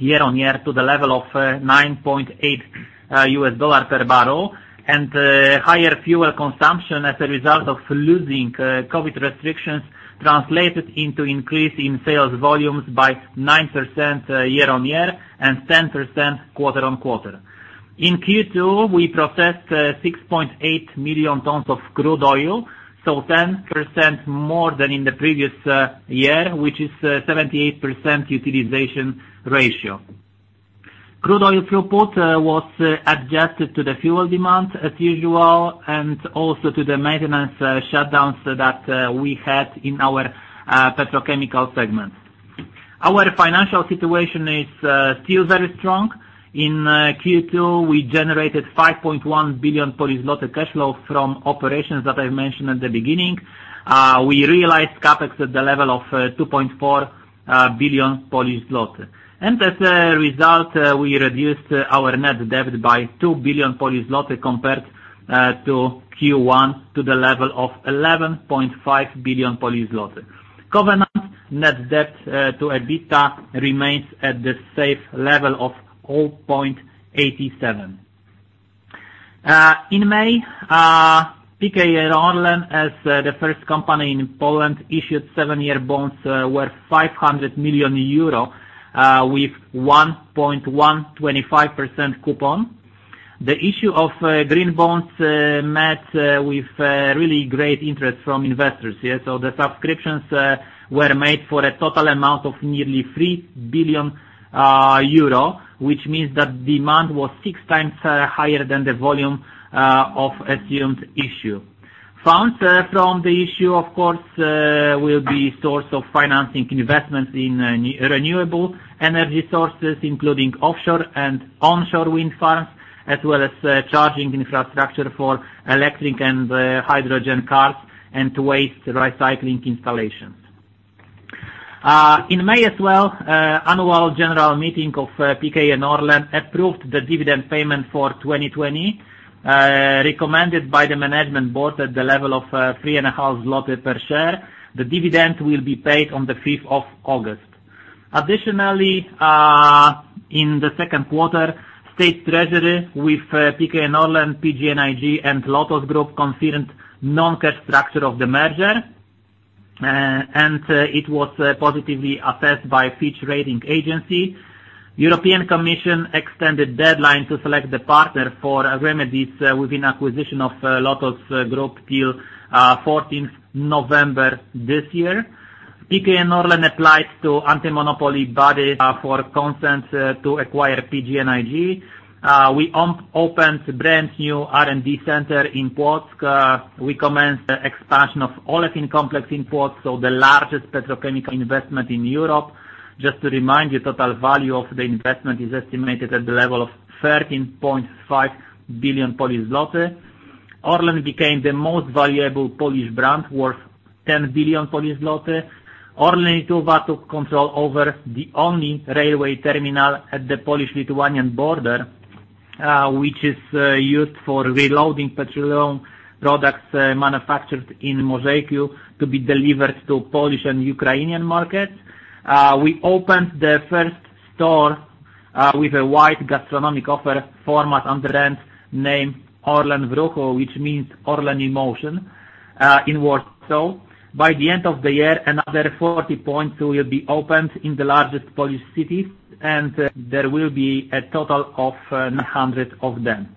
Year-on-year to the level of $9.8 per barrel. Higher fuel consumption as a result of losing COVID restrictions translated into increase in sales volumes by 9% year-on-year and 10% quarter-on-quarter. In Q2, we processed 6.8 million tons of crude oil, 10% more than in the previous year, which is a 78% utilization ratio. Crude oil throughput was adjusted to the fuel demand as usual, also to the maintenance shutdowns that we had in our petrochemical segment. Our financial situation is still very strong. In Q2, we generated 5.1 billion cash flow from operations that I mentioned at the beginning. We realized CapEx at the level of 2.4 billion Polish zloty. As a result, we reduced our net debt by 2 billion Polish zloty compared to Q1, to the level of 11.5 billion Polish zloty. Covenant net debt to EBITDA remains at the safe level of 0.87. In May, PKN Orlen, as the first company in Poland, issued seven-year bonds worth 500 million euro with 1.125% coupon. The issue of green bonds met with really great interest from investors here. The subscriptions were made for a total amount of nearly 3 billion euro, which means that demand was six times higher than the volume of assumed issue. Funds from the issue, of course, will be source of financing investments in renewable energy sources, including offshore and onshore wind farms, as well as charging infrastructure for electric and hydrogen cars and waste recycling installations. In May as well, annual general meeting of PKN Orlen approved the dividend payment for 2020, recommended by the management board at the level of 3.5 zloty per share. The dividend will be paid on the 5th of August. Additionally, in the second quarter, State Treasury with PKN Orlen, PGNiG, and Grupa Lotos confirmed non-cash structure of the merger, and it was positively assessed by Fitch Ratings. European Commission extended deadline to select the partner for remedies within acquisition of Grupa Lotos till 14th November this year. PKN Orlen applied to anti-monopoly body for consent to acquire PGNiG. We opened a brand-new R&D center in Płock. We commenced the expansion of olefin complex in Płock, so the largest petrochemical investment in Europe. Just to remind you, total value of the investment is estimated at the level of 13.5 billion Polish zloty. Orlen became the most valuable Polish brand, worth 10 billion Polish zloty. Orlen Lietuva took control over the only railway terminal at the Polish-Lithuanian border, which is used for reloading petroleum products manufactured in Mažeikiai to be delivered to Polish and Ukrainian markets. We opened the first store with a wide gastronomic offer format under the name Orlen w ruchu, which means Orlen in motion, in Warsaw. By the end of the year, another 40 points will be opened in the largest Polish cities, and there will be a total of 900 of them.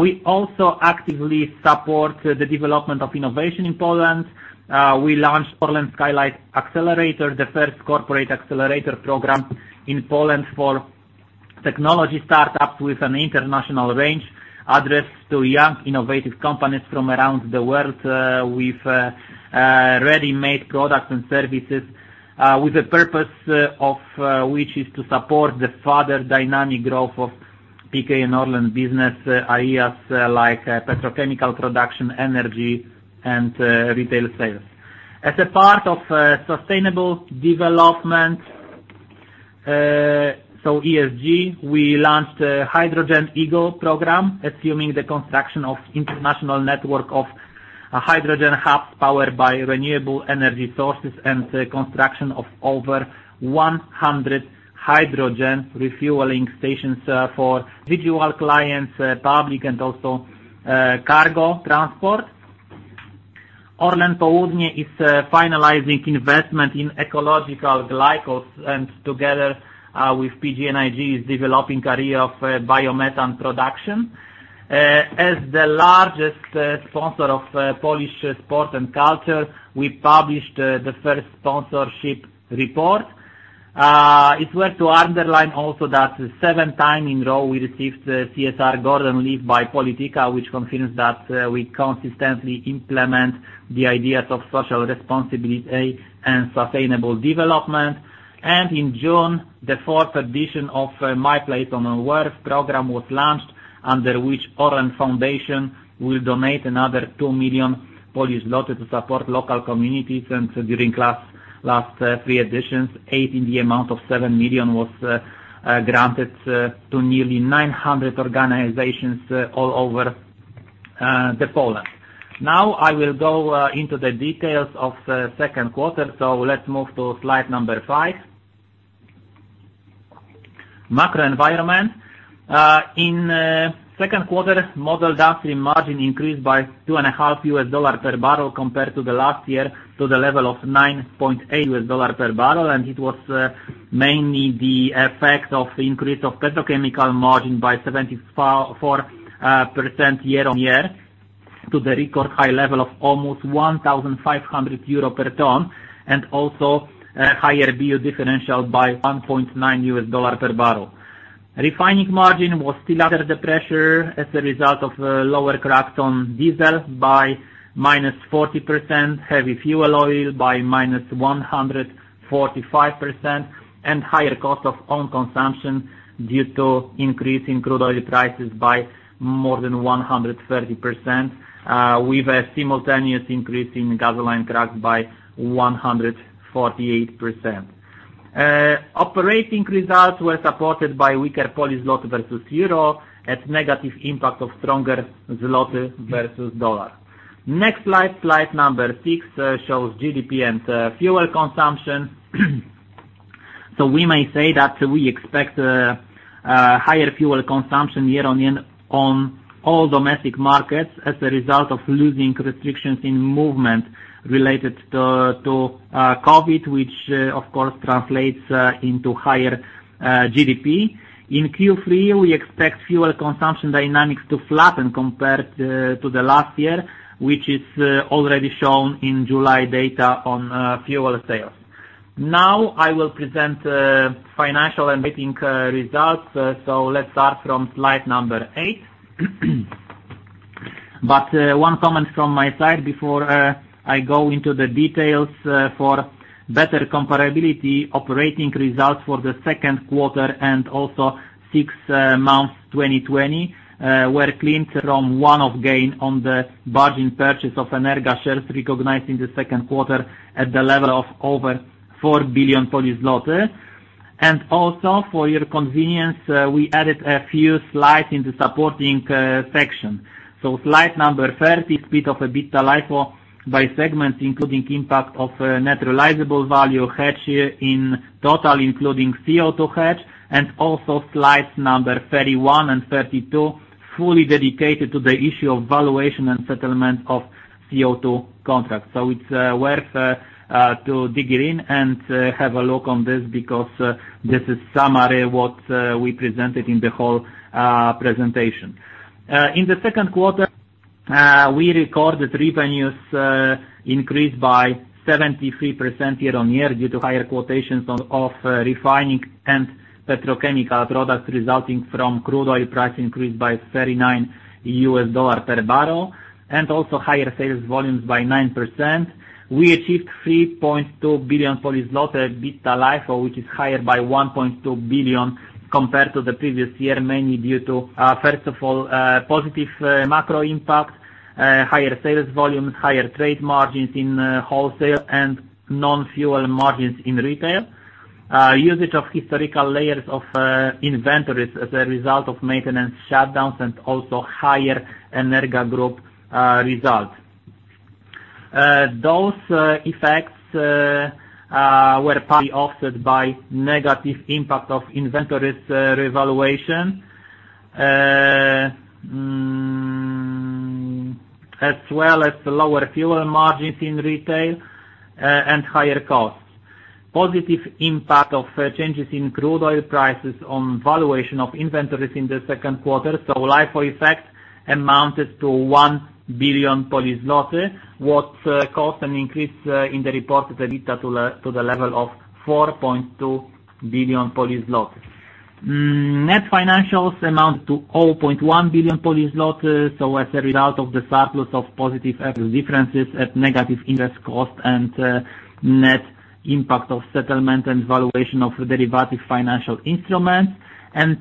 We also actively support the development of innovation in Poland. We launched ORLEN Skylight Accelerator, the first corporate accelerator program in Poland for technology startups with an international range, addressed to young innovative companies from around the world with ready-made products and services, with the purpose of which is to support the further dynamic growth of PKN Orlen business areas like petrochemical production, energy, and retail sales. As a part of sustainable development, so ESG, we launched a Hydrogen Eagle program, assuming the construction of international network of hydrogen hubs powered by renewable energy sources and the construction of over 100 hydrogen refueling stations for individual clients, public, and also cargo transport. Orlen Południe is finalizing investment in ecological glycols and together with PGNiG, is developing career of biomethane production. As the largest sponsor of Polish sport and culture, we published the first sponsorship report. It's worth to underline also that seven time in a row, we received the CSR Golden Leaf by Polityka, which confirms that we consistently implement the ideas of social responsibility and sustainable development. In June, the fourth edition of My Place on Earth program was launched. Under which Orlen Foundation will donate another 2 million Polish zloty to support local communities. During last three editions, aid in the amount of 7 million was granted to nearly 900 organizations all over Poland. I will go into the details of the second quarter. Let's move to slide number five. Macro environment. In second quarter, model downstream margin increased by $2.5 per barrel compared to last year to the level of $9.8 per barrel. It was mainly the effect of the increase of petrochemical margin by 74% year-on-year to the record high level of almost 1,500 euro per ton, and also a higher BDO differential by $1.9 per barrel. Refining margin was still under the pressure as a result of lower cracks on diesel by -40%, Heavy Fuel Oil by -145%, and higher cost of own consumption due to increase in crude oil prices by more than 130%, with a simultaneous increase in gasoline cracks by 148%. Operating results were supported by weaker Polish zloty versus euro at negative impact of stronger zloty versus dollar. Next slide number six, shows GDP and fuel consumption. We may say that we expect higher fuel consumption year-on-year on all domestic markets as a result of losing restrictions in movement related to COVID, which, of course, translates into higher GDP. In Q3, we expect fuel consumption dynamics to flatten compared to the last year, which is already shown in July data on fuel sales. I will present financial and operating results. Let's start from slide eight. One comment from my side before I go into the details: for better comparability, operating results for the second quarter and also six months 2020, were cleaned from one-off gain on the bargain purchase of Energa shares recognized in the second quarter at the level of over 4 billion Polish zloty. For your convenience, we added a few slides in the supporting section. Slide 30, split of EBITDA LIFO by segment, including impact of net realizable value hedge in total, including CO2 hedge. Slides 31 and 32, fully dedicated to the issue of valuation and settlement of CO2 contracts. It's worth to dig in and have a look on this because this is summary what we presented in the whole presentation. In the second quarter, we recorded revenues increased by 73% year-on-year due to higher quotations of refining and petrochemical products resulting from crude oil price increase by $39 per barrel, and also higher sales volumes by 9%. We achieved 3.2 billion EBITDA LIFO, which is higher by 1.2 billion compared to the previous year, mainly due to, first of all, positive macro impact, higher sales volumes, higher trade margins in wholesale, and non-fuel margins in retail. Usage of historical layers of inventories as a result of maintenance shutdowns and also higher Energa Group results. Those effects were partly offset by negative impact of inventories revaluation, as well as lower fuel margins in retail and higher costs. Positive impact of changes in crude oil prices on valuation of inventories in the second quarter. LIFO effect amounted to 1 billion. What caused an increase in the reported EBITDA to the level of 4.2 billion. Net financials amounted to 0.1 billion. As a result of the surplus of positive differences at negative interest cost and net impact of settlement and valuation of derivative financial instruments.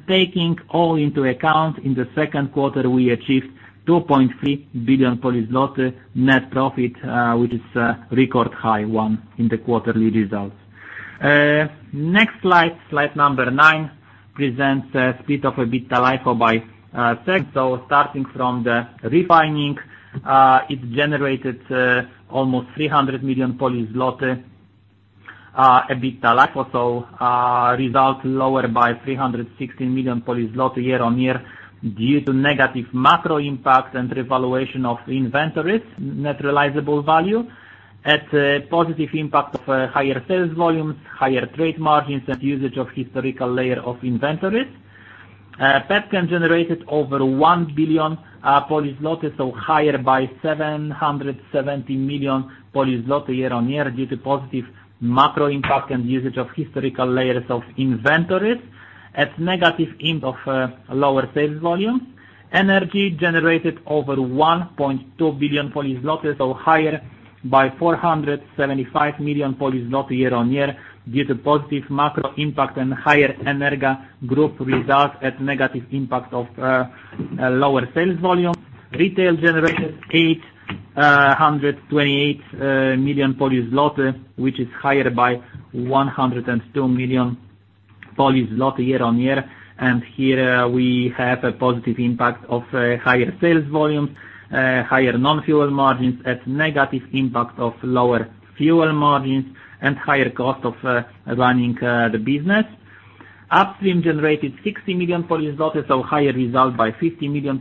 Taking all into account, in the second quarter, we achieved 2.3 billion net profit, which is a record high one in the quarterly results. Next slide number nine, presents a split of EBITDA LIFO by segment. Starting from the refining, it generated almost 300 million Polish zloty, EBITDA LIFO. Result lower by 316 million Polish zloty year-on-year due to negative macro impact and revaluation of inventories' net realizable value at positive impact of higher sales volumes, higher trade margins, and usage of historical layer of inventories. Petchem generated over 1 billion, so higher by 770 million year-on-year due to positive macro impact and usage of historical layers of inventories at negative impact of lower sales volume. Energy generated over 1.2 billion, so higher by 475 million year-on-year due to positive macro impact and higher Energa Group result at negative impact of lower sales volume. Retail generated 8,128 million, which is higher by 102 million year-on-year. Here we have a positive impact of higher sales volume, higher non-fuel margins at negative impact of lower fuel margins and higher cost of running the business. Upstream generated 60 million, so higher result by 50 million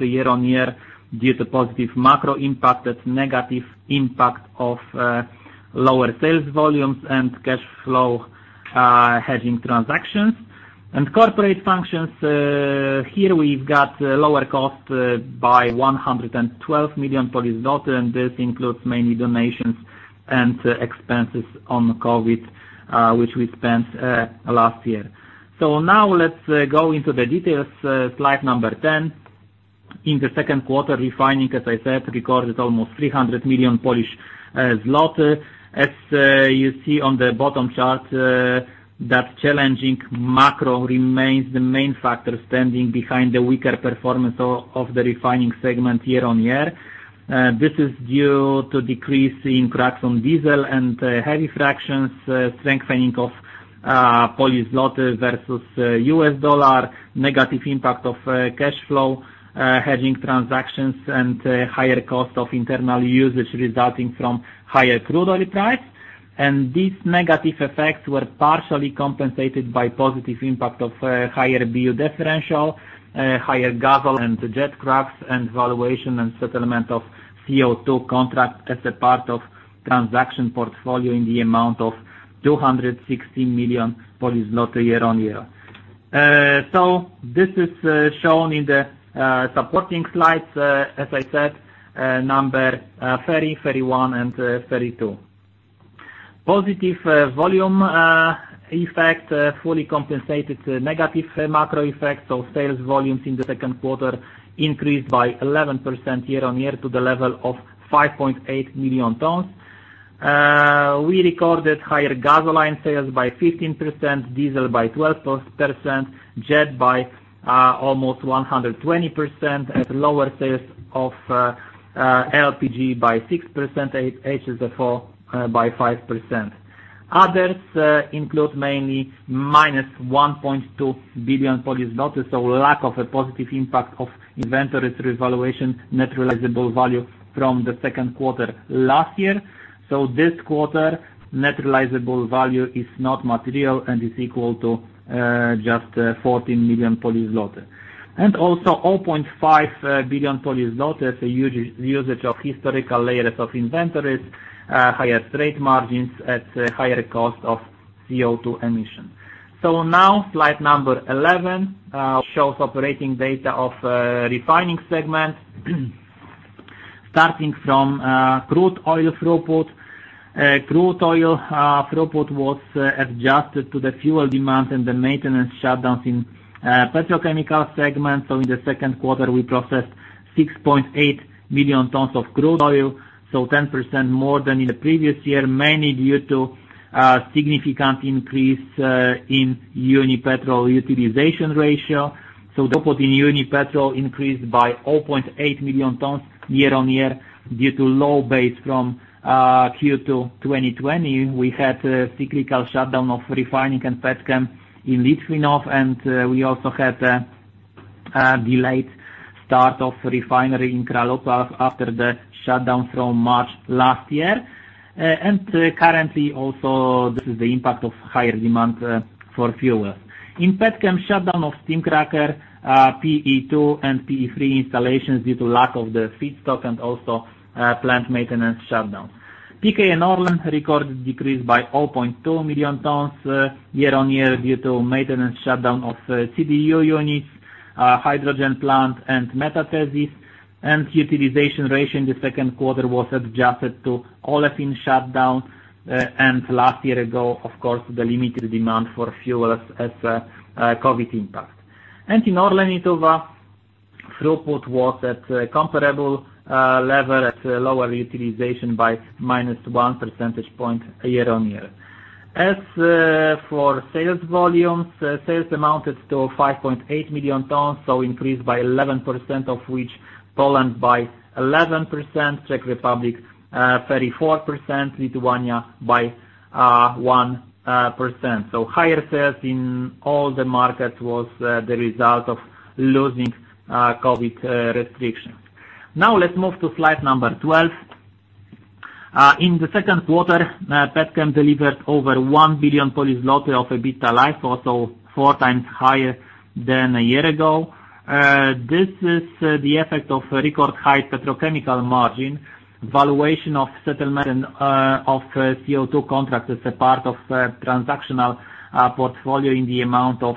year-on-year due to positive macro impact, at negative impact of lower sales volumes and cash flow hedging transactions. Corporate functions, here we’ve got lower cost by 112 million Polish zloty, and this includes mainly donations and expenses on COVID, which we spent last year. Now let’s go into the details. Slide number 10. In the second quarter, refining, as I said, recorded almost 300 million Polish zloty. As you see on the bottom chart, that challenging macro remains the main factor standing behind the weaker performance of the refining segment year-on-year. This is due to decrease in cracks on diesel and heavy fractions, strengthening of Polish zloty versus U.S. dollar, negative impact of cash flow, hedging transactions and higher cost of internal usage resulting from higher crude oil price. These negative effects were partially compensated by positive impact of higher Brent-Urals differential, higher gasoline and jet cracks and valuation and settlement of CO2 contract as a part of transaction portfolio in the amount of 260 million year-on-year. This is shown in the supporting slides, as I said, number 30, 31 and 32. Positive volume effect fully compensated negative macro effect, so sales volumes in the second quarter increased by 11% year-on-year to the level of 5.8 million tons. We recorded higher gasoline sales by 15%, diesel by 12%, jet by almost 120%, at lower sales of LPG by 6%, HSFO by 5%. Others include mainly PLN -1.2 billion, so lack of a positive impact of inventory revaluation, net realizable value from the second quarter last year. This quarter, net realizable value is not material and is equal to just 14 million. 0.5 billion is a usage of historical layers of inventories, higher trade margins at higher cost of CO2 emission. Slide number 11 shows operating data of refining segment starting from crude oil throughput. Crude oil throughput was adjusted to the fuel demand and the maintenance shutdowns in petrochemical segment. In the 2Q, we processed 6.8 million tons of crude oil, 10% more than in the previous year, mainly due to a significant increase in Unipetrol utilization ratio. Throughput in Unipetrol increased by 0.8 million tons year-on-year due to low base from Q2 2020. We had cyclical shutdown of refining and petchem in Litvínov, we also had a delayed start of refinery in Kralupy after the shutdown from March last year. Currently also, this is the impact of higher demand for fuel. In petchem, shutdown of steam cracker, PE2 and PE3 installations due to lack of the feedstock and also plant maintenance shutdown. PKN Orlen recorded decrease by 0.2 million tons year-on-year due to maintenance shutdown of CDU units, hydrogen plant and metathesis. Utilization ratio in the second quarter was adjusted to olefin shutdown, and last year ago, of course, the limited demand for fuel as a COVID impact. In Orlen Lietuva, throughput was at comparable level at lower utilization by -1 percentage point year-on-year. As for sales volumes, sales amounted to 5.8 million tons, so increased by 11%, of which Poland by 11%, Czech Republic 34%, Lithuania by 1%. Higher sales in all the markets was the result of losing COVID restrictions. Now let's move to slide number 12. In the second quarter, petchem delivered over 1 billion of EBITDA LIFO, also 4x higher than a year ago. This is the effect of record high petrochemical margin, valuation of settlement of CO2 contract as a part of transactional portfolio in the amount of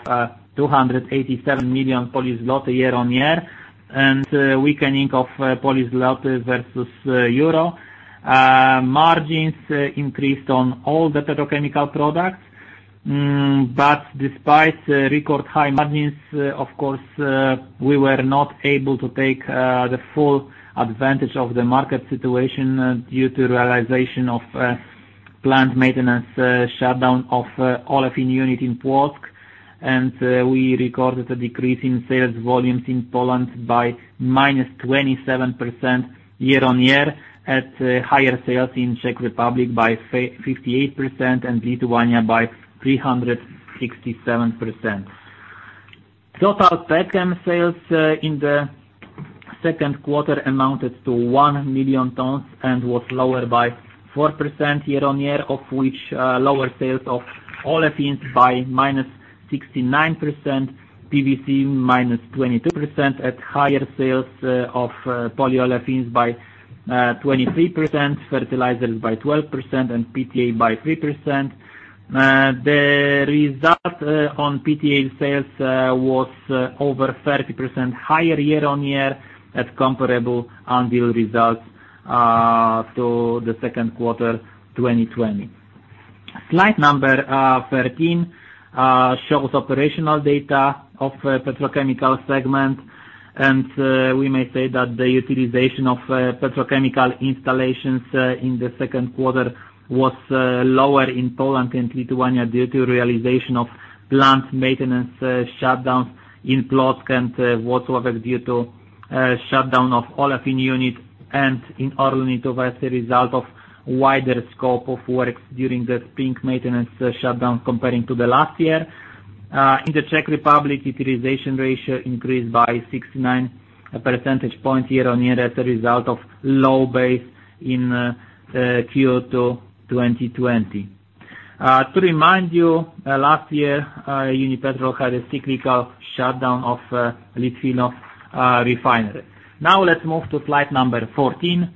287 million Polish zloty year-on-year, and weakening of Polish zloty versus EUR. Margins increased on all the petrochemical products. Despite record high margins, of course, we were not able to take the full advantage of the market situation due to realization of plant maintenance shutdown of Olefins unit in Płock. We recorded a decrease in sales volumes in Poland by -27% year-on-year at higher sales in Czech Republic by 58% and Lithuania by 367%. Total petchem sales in the second quarter amounted to 1 million tons and was lower by -4% year-on-year, of which lower sales of Olefins by -69%, PVC -22%, at higher sales of polyolefins by 23%, fertilizers by 12%, and PTA by 3%. The result on PTA sales was over 30% higher year-on-year at comparable unreal results to the second quarter 2020. Slide number 13 shows operational data of petrochemical segment, and we may say that the utilization of petrochemical installations in the second quarter was lower in Poland and Lithuania due to realization of plant maintenance shutdowns in Płock and Włocławek due to shutdown of olefin unit and as a result of wider scope of works during the spring maintenance shutdown comparing to the last year. In the Czech Republic, utilization ratio increased by 69 percentage points year-on-year as a result of low base in Q2 2020. To remind you, last year, Unipetrol had a cyclical shutdown of Litvínov Refinery. Let's move to slide number 14.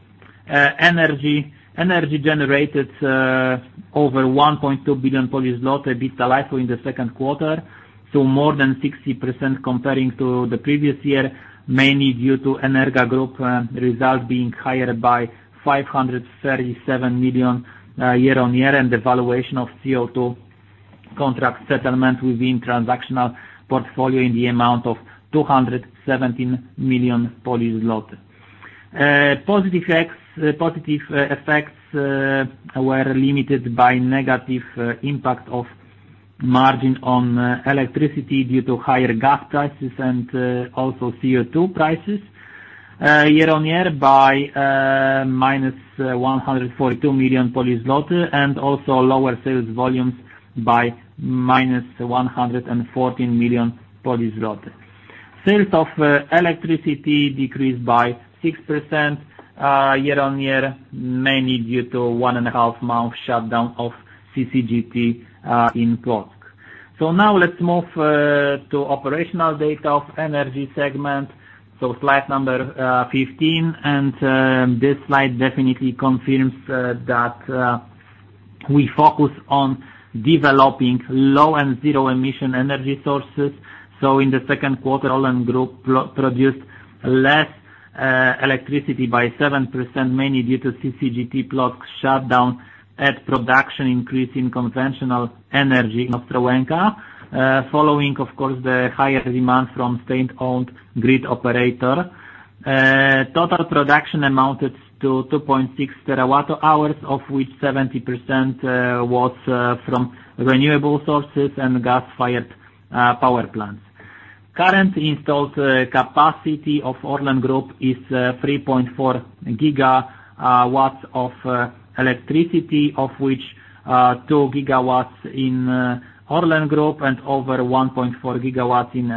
Energy. Energy generated over 1.2 billion Polish zloty EBITDA in the second quarter to more than 60% comparing to the previous year, mainly due to Energa Group result being higher by 537 million year-on-year and the valuation of CO2 contract settlement within transactional portfolio in the amount of 217 million Polish zloty. Positive effects were limited by negative impact of margin on electricity due to higher gas prices and also CO2 prices year-on-year by -142 million Polish zloty and also lower sales volumes by -140 million Polish zloty. Sales of electricity decreased by 6% year-on-year, mainly due to 1.5 month shutdown of CCGT in Płock. Now let's move to operational data of energy segment. Slide number 15. This slide definitely confirms that we focus on developing low and zero emission energy sources. In the second quarter, ORLEN Group produced less electricity by 7%, mainly due to CCGT Płock's shutdown and production increase in conventional energy in Ostrołęka, following, of course, the higher demand from state-owned grid operator. Total production amounted to 2.6 TW hours, of which 70% was from renewable sources and gas-fired power plants. Current installed capacity of ORLEN Group is 3.4 GW of electricity, of which 2 GW in ORLEN Group and over 1.4 GW in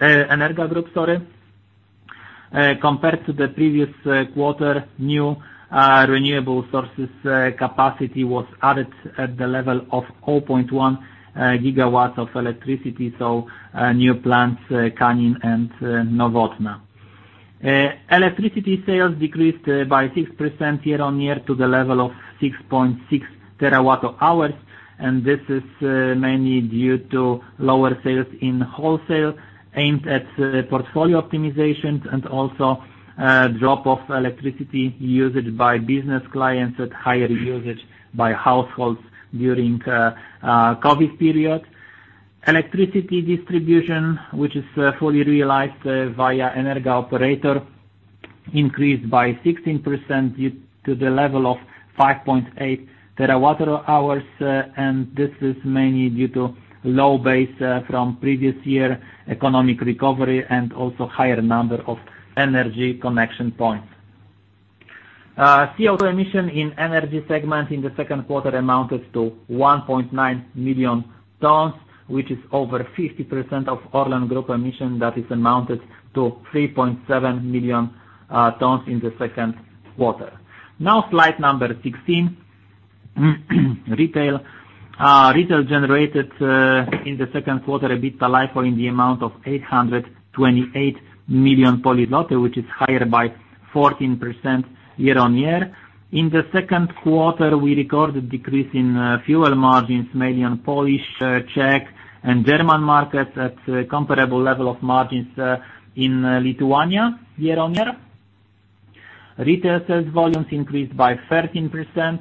Energa Group, sorry. Compared to the previous quarter, new renewable sources capacity was added at the level of 0.1 GW of electricity, new plants, Kanin and Nowodwory. Electricity sales decreased by 6% year-on-year to the level of 6.6 TW hours. This is mainly due to lower sales in wholesale aimed at portfolio optimizations and also a drop of electricity usage by business clients and higher usage by households during COVID period. Electricity distribution, which is fully realized via Energa-Operator, increased by 16% due to the level of 5.8 TW hours. This is mainly due to low base from previous year, economic recovery and also higher number of energy connection points. CO2 emission in energy segment in the second quarter amounted to 1.9 million tons, which is over 50% of ORLEN Group emission that is amounted to 3.7 million tons in the second quarter. Slide number 16. Retail. Retail generated in the second quarter, EBITDA in the amount of 828 million, which is higher by 14% year-on-year. In the second quarter, we recorded decrease in fuel margins, mainly on Polish, Czech, and German markets at comparable level of margins in Lithuania year-on-year. Retail sales volumes increased by 13%,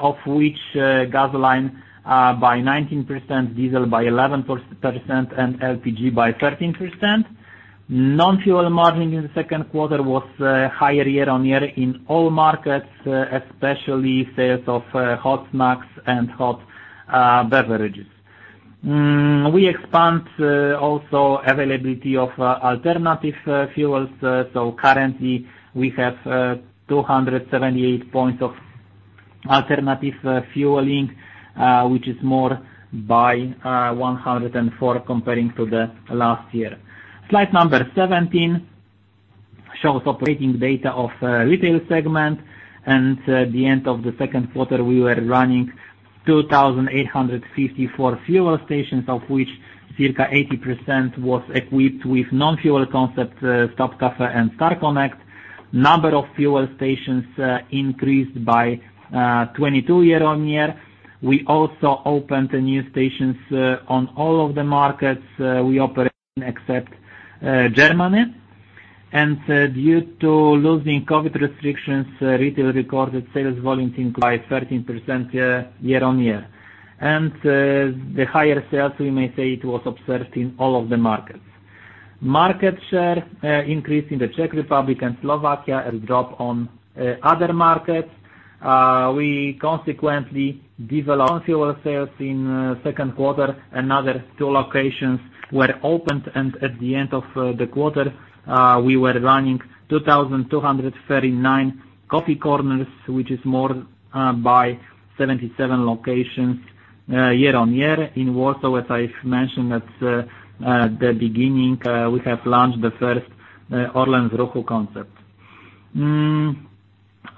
of which gasoline by 19%, diesel by 11%, and LPG by 13%. Non-fuel margin in the second quarter was higher year-on-year in all markets, especially sales of hot snacks and hot beverages. Currently we have 278 points of alternative fueling, which is more by 104 comparing to the last year. Slide number 17 shows operating data of retail segment. At the end of the second quarter, we were running 2,854 fuel stations, of which circa 80% was equipped with non-fuel concept, Stop Cafe and Car Connect. Number of fuel stations increased by 22 year-on-year. We also opened new stations on all of the markets we operate except Germany. Due to loosening COVID restrictions, retail recorded sales volume by 13% year-on-year. The higher sales, we may say it was observed in all of the markets. Market share increased in the Czech Republic and Slovakia, and dropped on other markets. We consequently developed fuel sales in second quarter. Another two locations were opened, and at the end of the quarter, we were running 2,239 coffee corners, which is more by 77 locations year-on-year. In Warsaw, as I've mentioned at the beginning, we have launched the first Orlen w ruchu concept.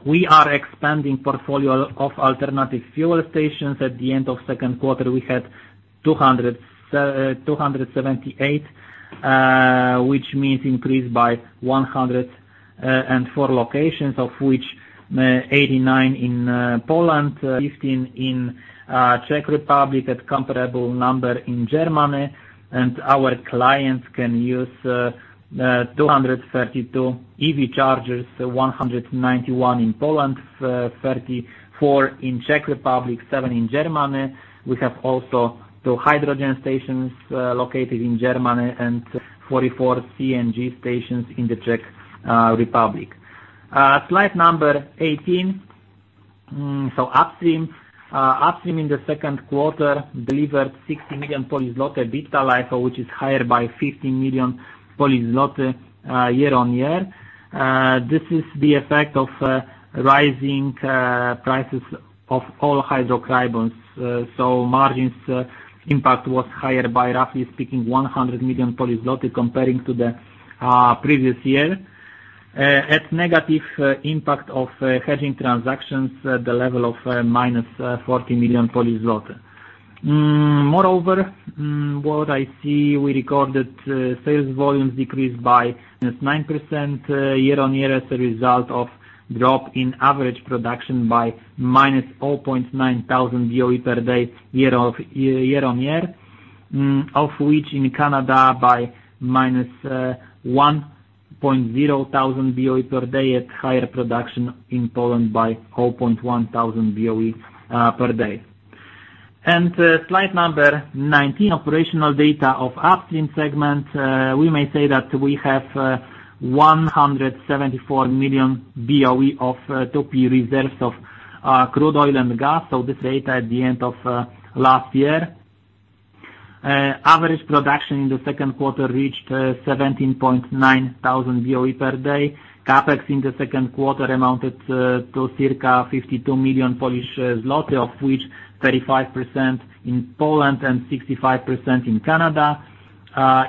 We are expanding portfolio of alternative fuel stations. At the end of second quarter, we had 278, which means increased by 104 locations, of which 89 in Poland, 15 in Czech Republic, at comparable number in Germany. Our clients can use 232 EV chargers, 191 in Poland, 34 in Czech Republic, seven in Germany. We have also two hydrogen stations located in Germany and 44 CNG stations in the Czech Republic. Slide number 18. Upstream. Upstream in the second quarter delivered 60 million EBITDA LIFO, which is higher by PLN 50 million year-on-year. This is the effect of rising prices of all hydrocarbons. At negative impact of hedging transactions, the level of -40 million. Moreover, what I see, we recorded sales volumes decreased by -9% year-on-year as a result of drop in average production by -0.9 000 BOE per day year-on-year. In Canada by -1.0000 BOE per day at higher production in Poland by 0.1000 BOE per day. Slide number 19, operational data of upstream segment. We may say that we have 174 million BOE of 2P reserves of crude oil and gas. This data at the end of last year. Average production in the second quarter reached 17.9000 BOE per day. CapEx in the second quarter amounted to circa 52 million Polish zloty, of which 35% in Poland and 65% in Canada.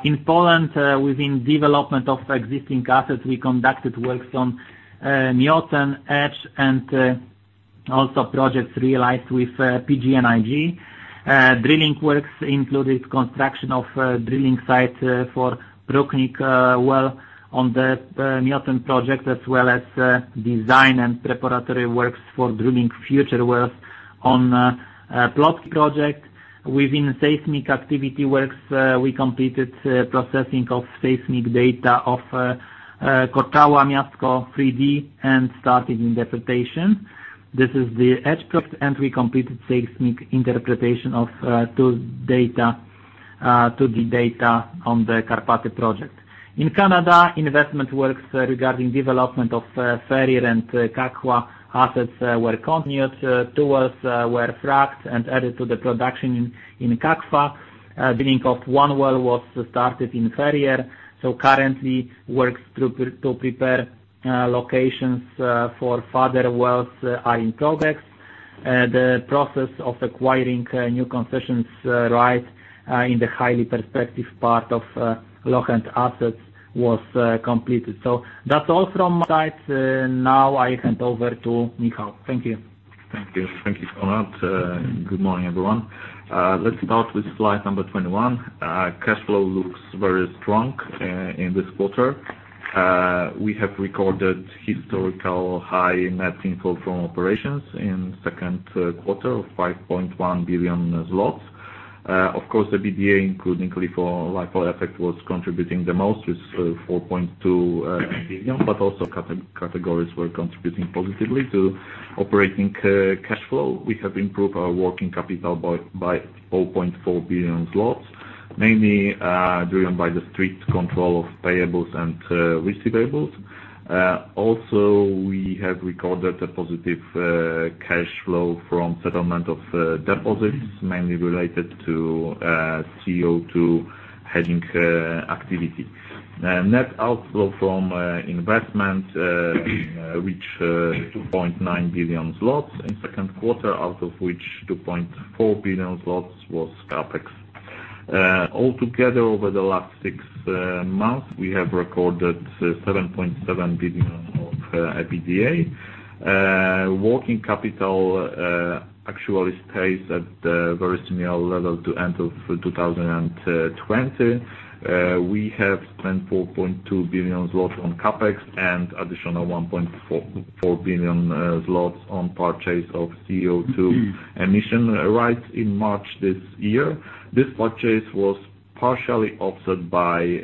In Poland, within development of existing assets, we conducted works on Miłosław, Edge, and also projects realized with PGNiG. Drilling works included construction of drilling sites for Broknik well on the Miłosław project, as well as design and preparatory works for drilling future wells on Płotki project. Within seismic activity works, we completed processing of seismic data of Kortowo, Miastko 3D, and started interpretation. This is the Edge prospect. We completed seismic interpretation of 2D data on the Karpaty project. In Canada, investment works regarding development of Ferrier and Kakwa assets were continued. Two wells were fracked and added to the production in Kakwa. Drilling of one well was started in Ferrier. Currently works to prepare locations for further wells are in progress. The process of acquiring new concessions right in the highly prospective part of Lochend assets was completed. That's all from my side. Now I hand over to Michał. Thank you. Thank you. Thank you, Konrad. Good morning, everyone. Let's start with slide number 21. Cash flow looks very strong in this quarter. We have recorded historical high net inflow from operations in second quarter of 5.1 billion zlotys. The EBITDA, including LIFO effect, was contributing the most with 4.2 billion, but also categories were contributing positively to operating cash flow. We have improved our working capital by 4.4 billion zlotys. Mainly driven by the strict control of payables and receivables. We have recorded a positive cash flow from settlement of deposits, mainly related to CO2 hedging activity. Net outflow from investment reached 2.9 billion zlotys in second quarter, out of which 2.4 billion zlotys was CapEx. Over the last six months, we have recorded 7.7 billion of EBITDA. Working capital actually stays at a very similar level to end of 2020. We have spent 4.2 billion zlotys on CapEx and additional 1.4 billion zlotys on purchase of CO2 emission rights in March this year. This purchase was partially offset by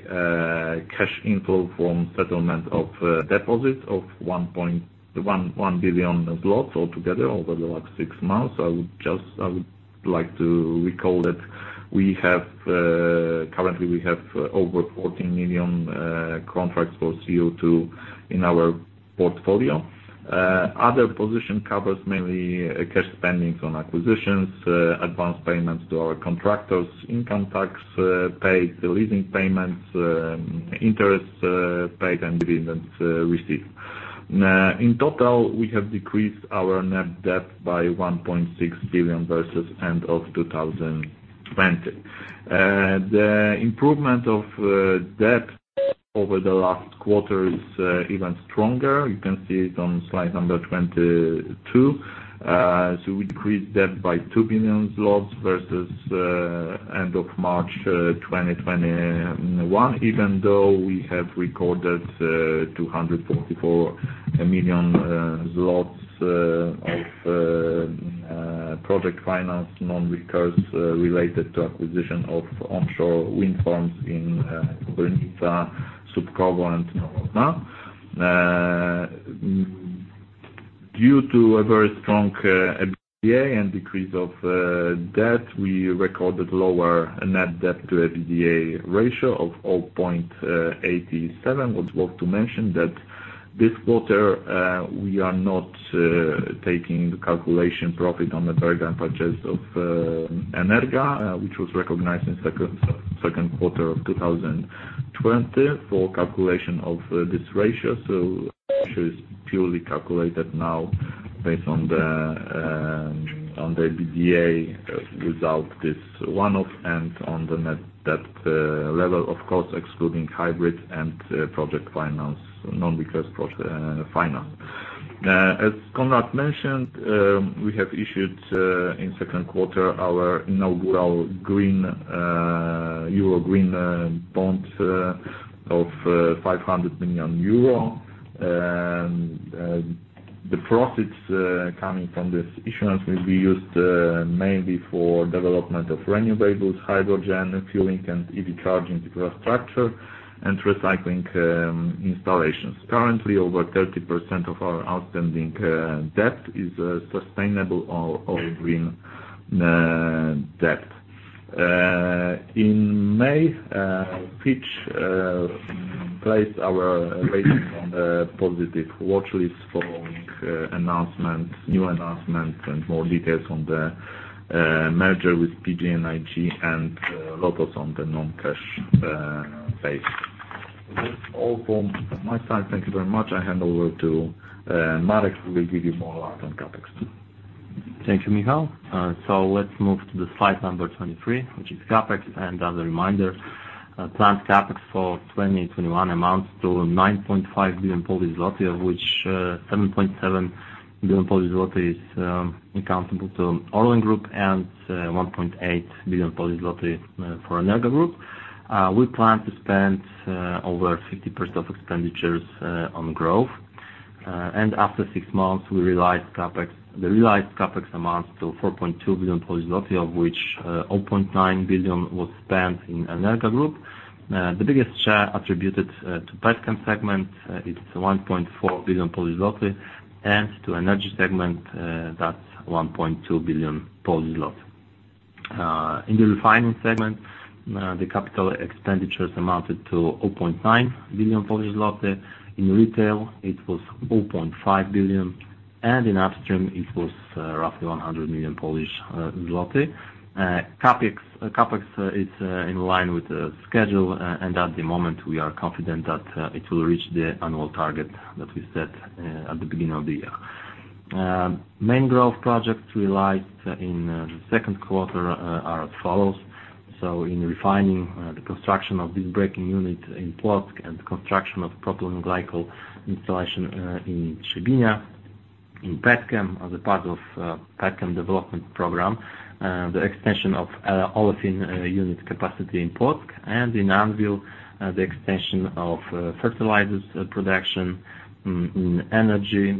cash inflow from settlement of deposit of 1 billion zlotys altogether over the last six months. I would like to recall that currently we have over 14 million contracts for CO2 in our portfolio. Other position covers mainly cash spendings on acquisitions, advanced payments to our contractors, income tax paid, leasing payments, interest paid, and dividends received. In total, we have decreased our net debt by 1.6 billion versus end of 2020. The improvement of debt over the last quarter is even stronger. You can see it on slide number 22. We decreased debt by 2 billion zlotys versus end of March 2021, even though we have recorded 244 million zlotys of project finance non-recourse related to acquisition of onshore wind farms in Kobylnica, Subkowy and Nowodwory. Due to a very strong EBITDA and decrease of debt, we recorded lower net debt to EBITDA ratio of 0.87, which was to mention that this quarter we are not taking the calculation profit on the bargain purchase of Energa, which was recognized in second quarter of 2020 for calculation of this ratio. Ratio is purely calculated now based on the EBITDA without this one-off and on the net debt level, of course, excluding hybrid and project finance, non-recourse project finance. As Konrad mentioned, we have issued in second quarter our inaugural Euro green bond of 500 million. The profits coming from this issuance will be used mainly for development of renewables, hydrogen fueling and EV charging infrastructure and recycling installations. Currently, over 30% of our outstanding debt is sustainable or green debt. In May, Fitch placed our ratings on the positive watchlist following new announcements and more details on the merger with PGNiG and Lotos on the non-cash base. That's all from my side. Thank you very much. I hand over to Marek, who will give you more light on CapEx. Thank you, Michał. Let's move to the slide number 23, which is CapEx. As a reminder, planned CapEx for 2021 amounts to 9.5 billion zloty, of which 7.7 billion zloty is accountable to ORLEN Group and 1.8 billion zloty for Energa Group. We plan to spend over 50% of expenditures on growth. After six months, the realized CapEx amounts to 4.2 billion, of which 0.9 billion was spent in Energa Group. The biggest share attributed to petchem segment is 1.4 billion Polish zloty, and to energy segment, that's 1.2 billion Polish zloty. In the refining segment, the capital expenditures amounted to 0.9 billion Polish zloty. In retail, it was 0.5 billion, and in upstream, it was roughly 100 million Polish zloty. CapEx is in line with the schedule. At the moment, we are confident that it will reach the annual target that we set at the beginning of the year. Main growth projects realized in the second quarter are as follows. In refining, the construction of visbreaking unit in Płock and construction of propylene glycol installation in Trzebinia. In petchem, as a part of petchem development program, the extension of olefin unit capacity in Płock and in Anwil, the extension of fertilizers production in energy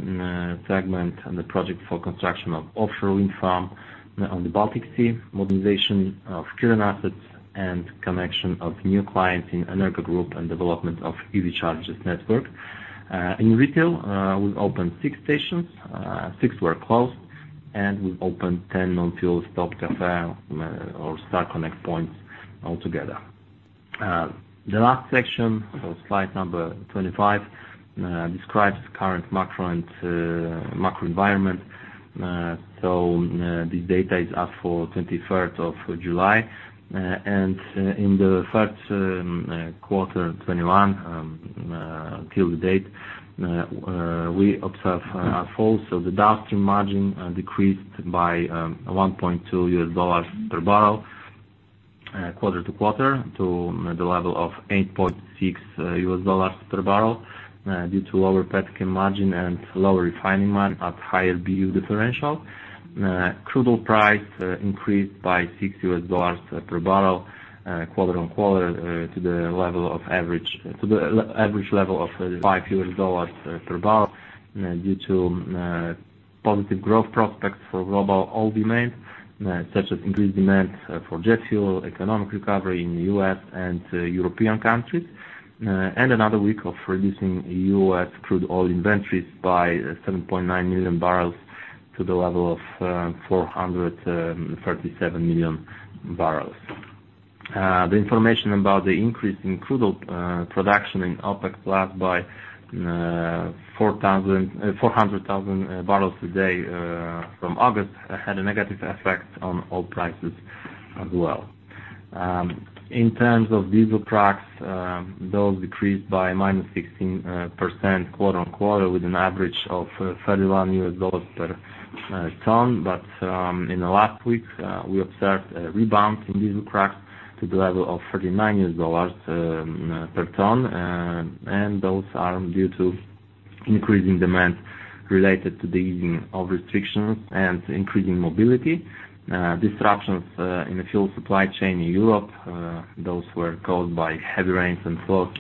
segment and the project for construction of offshore wind farm on the Baltic Sea, modernization of current assets and connection of new clients in Energa Group and development of ORLEN Charge network. In retail, we opened six stations, six were closed. We opened 10 non-fuel Stop.Cafe or Car Connect points altogether. The last section of slide number 25 describes the current macro environment. This data is as for 23rd of July. In the first quarter 2021 until the date, we observe a fall. The downstream margin decreased by $1.2 per barrel quarter-to-quarter to the level of $8.6 per barrel due to lower petchem margin and lower refining margin at higher BU differential. Crude oil price increased by $6 per barrel quarter-on-quarter to the average level of $5 per barrel due to positive growth prospects for global oil demand such as increased demand for jet fuel, economic recovery in U.S. and European countries, and another week of reducing U.S. crude oil inventories by 7.9 million barrels to the level of 437 million barrels. The information about the increase in crude oil production in OPEC+ by 400,000 barrels a day from August had a negative effect on oil prices as well. In terms of diesel cracks, those decreased by -16% quarter-on-quarter with an average of $31 per ton. In the last week, we observed a rebound in diesel cracks to the level of $39 per ton. Those are due to increasing demand related to the easing of restrictions and increasing mobility. Disruptions in the fuel supply chain in Europe, those were caused by heavy rains and floods,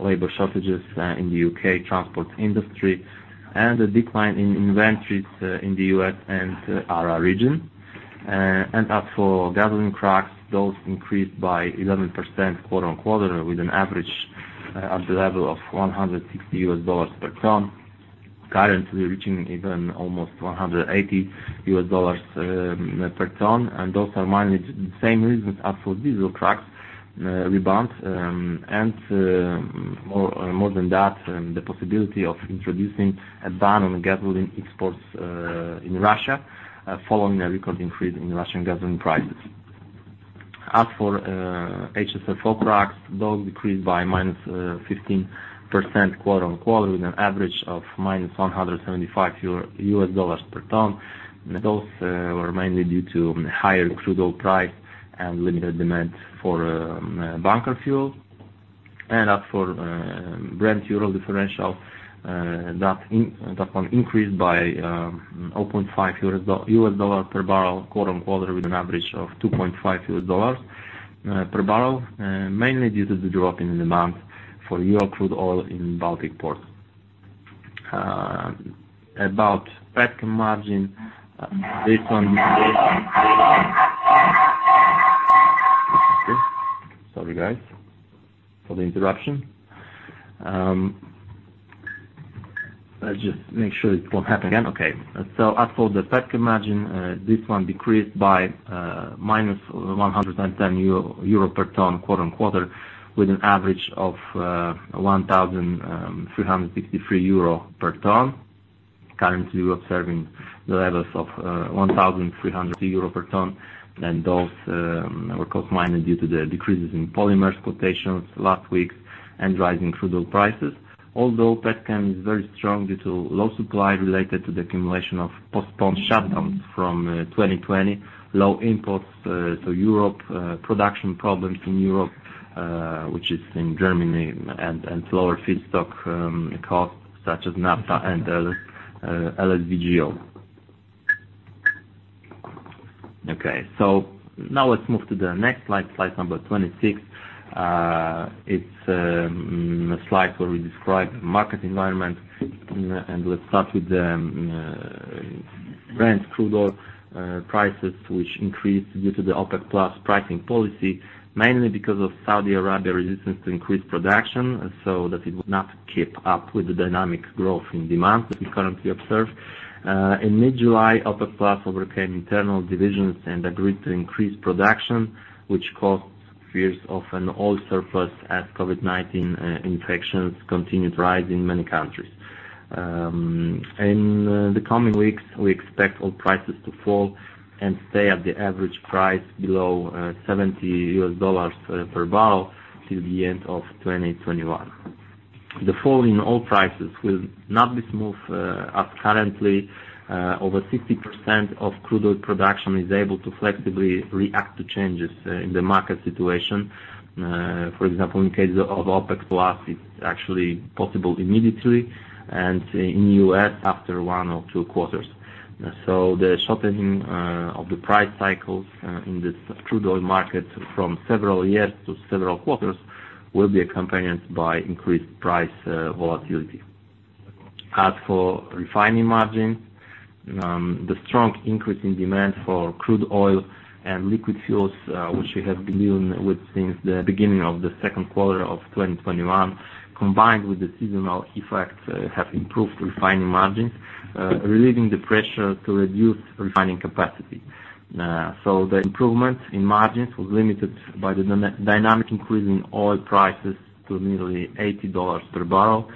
labor shortages in the U.K. transport industry, and a decline in inventories in the U.S. and ARA region. As for gasoline cracks, those increased by 11% quarter-on-quarter with an average at the level of $160 per ton, currently reaching even almost $180 per ton. Those are mainly the same reasons as for diesel cracks rebound, and more than that, the possibility of introducing a ban on gasoline exports in Russia following a record increase in Russian gasoline prices. HSF crack, those decreased by -15% quarter-on-quarter with an average of -$175 per ton. Those were mainly due to higher crude oil price and limited demand for bunker fuel. Brent-Urals differential, that one increased by $0.5 per barrel quarter-on-quarter with an average of $2.5 per barrel, mainly due to the drop in demand for Urals crude oil in Baltic port. Sorry, guys, for the interruption. Let's just make sure it won't happen again. Okay. As for the petchem margin, this one decreased by -110 euro per ton quarter-on-quarter with an average of 1,363 euro per ton. Currently, we're observing the levels of 1,303 euro per ton, those were caused mainly due to the decreases in polymers quotations last week and rising crude oil prices. Petchem is very strong due to low supply related to the accumulation of postponed shutdowns from 2020, low imports to Europe, production problems in Europe which is in Germany, and lower feedstock costs such as Naphtha and LSVGO. Now let's move to the next slide number 26. It's a slide where we describe the market environment, let's start with the Brent crude oil prices, which increased due to the OPEC+ pricing policy, mainly because of Saudi Arabia's resistance to increase production so that it would not keep up with the dynamic growth in demand that we currently observe. In mid-July, OPEC+ overcame internal divisions and agreed to increase production, which caused fears of an oil surplus as COVID-19 infections continued to rise in many countries. In the coming weeks, we expect oil prices to fall and stay at the average price below $70 per barrel until the end of 2021. The fall in oil prices will not be smooth as currently over 60% of crude oil production is able to flexibly react to changes in the market situation. For example, in case of OPEC+, it's actually possible immediately, and in U.S., after one or two quarters. The shortening of the price cycles in this crude oil market from several years to several quarters will be accompanied by increased price volatility. As for refining margins, the strong increase in demand for crude oil and liquid fuels which we have been dealing with since the beginning of the second quarter of 2021, combined with the seasonal effects, have improved refining margins, relieving the pressure to reduce refining capacity. The improvement in margins was limited by the dynamic increase in oil prices to nearly $80 per barrel.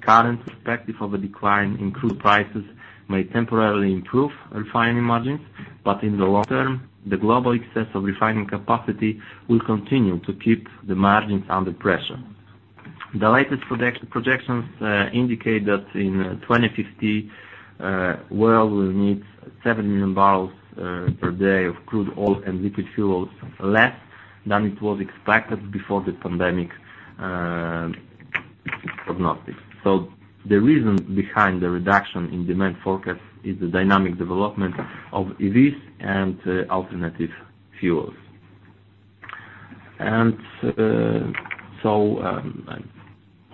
Current perspective of a decline in crude prices may temporarily improve refining margins, but in the long term, the global excess of refining capacity will continue to keep the margins under pressure. The latest projections indicate that in 2050, world will need 7 million barrels per day of crude oil and liquid fuels less than it was expected before the pandemic prognostics. The reason behind the reduction in demand forecast is the dynamic development of EVs and alternative fuels.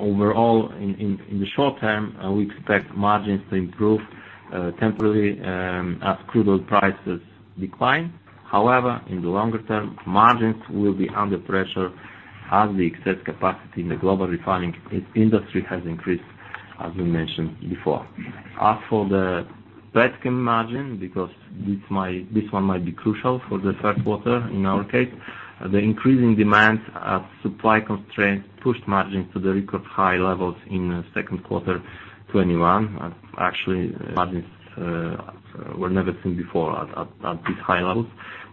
Overall in the short-term, we expect margins to improve temporarily as crude oil prices decline. However, in the longer-term, margins will be under pressure as the excess capacity in the global refining industry has increased, as we mentioned before. As for the petchem margin, because this one might be crucial for the first quarter in our case, the increasing demand as supply constraints pushed margins to the record high levels in second quarter 2021. Actually, margins were never seen before at these high levels.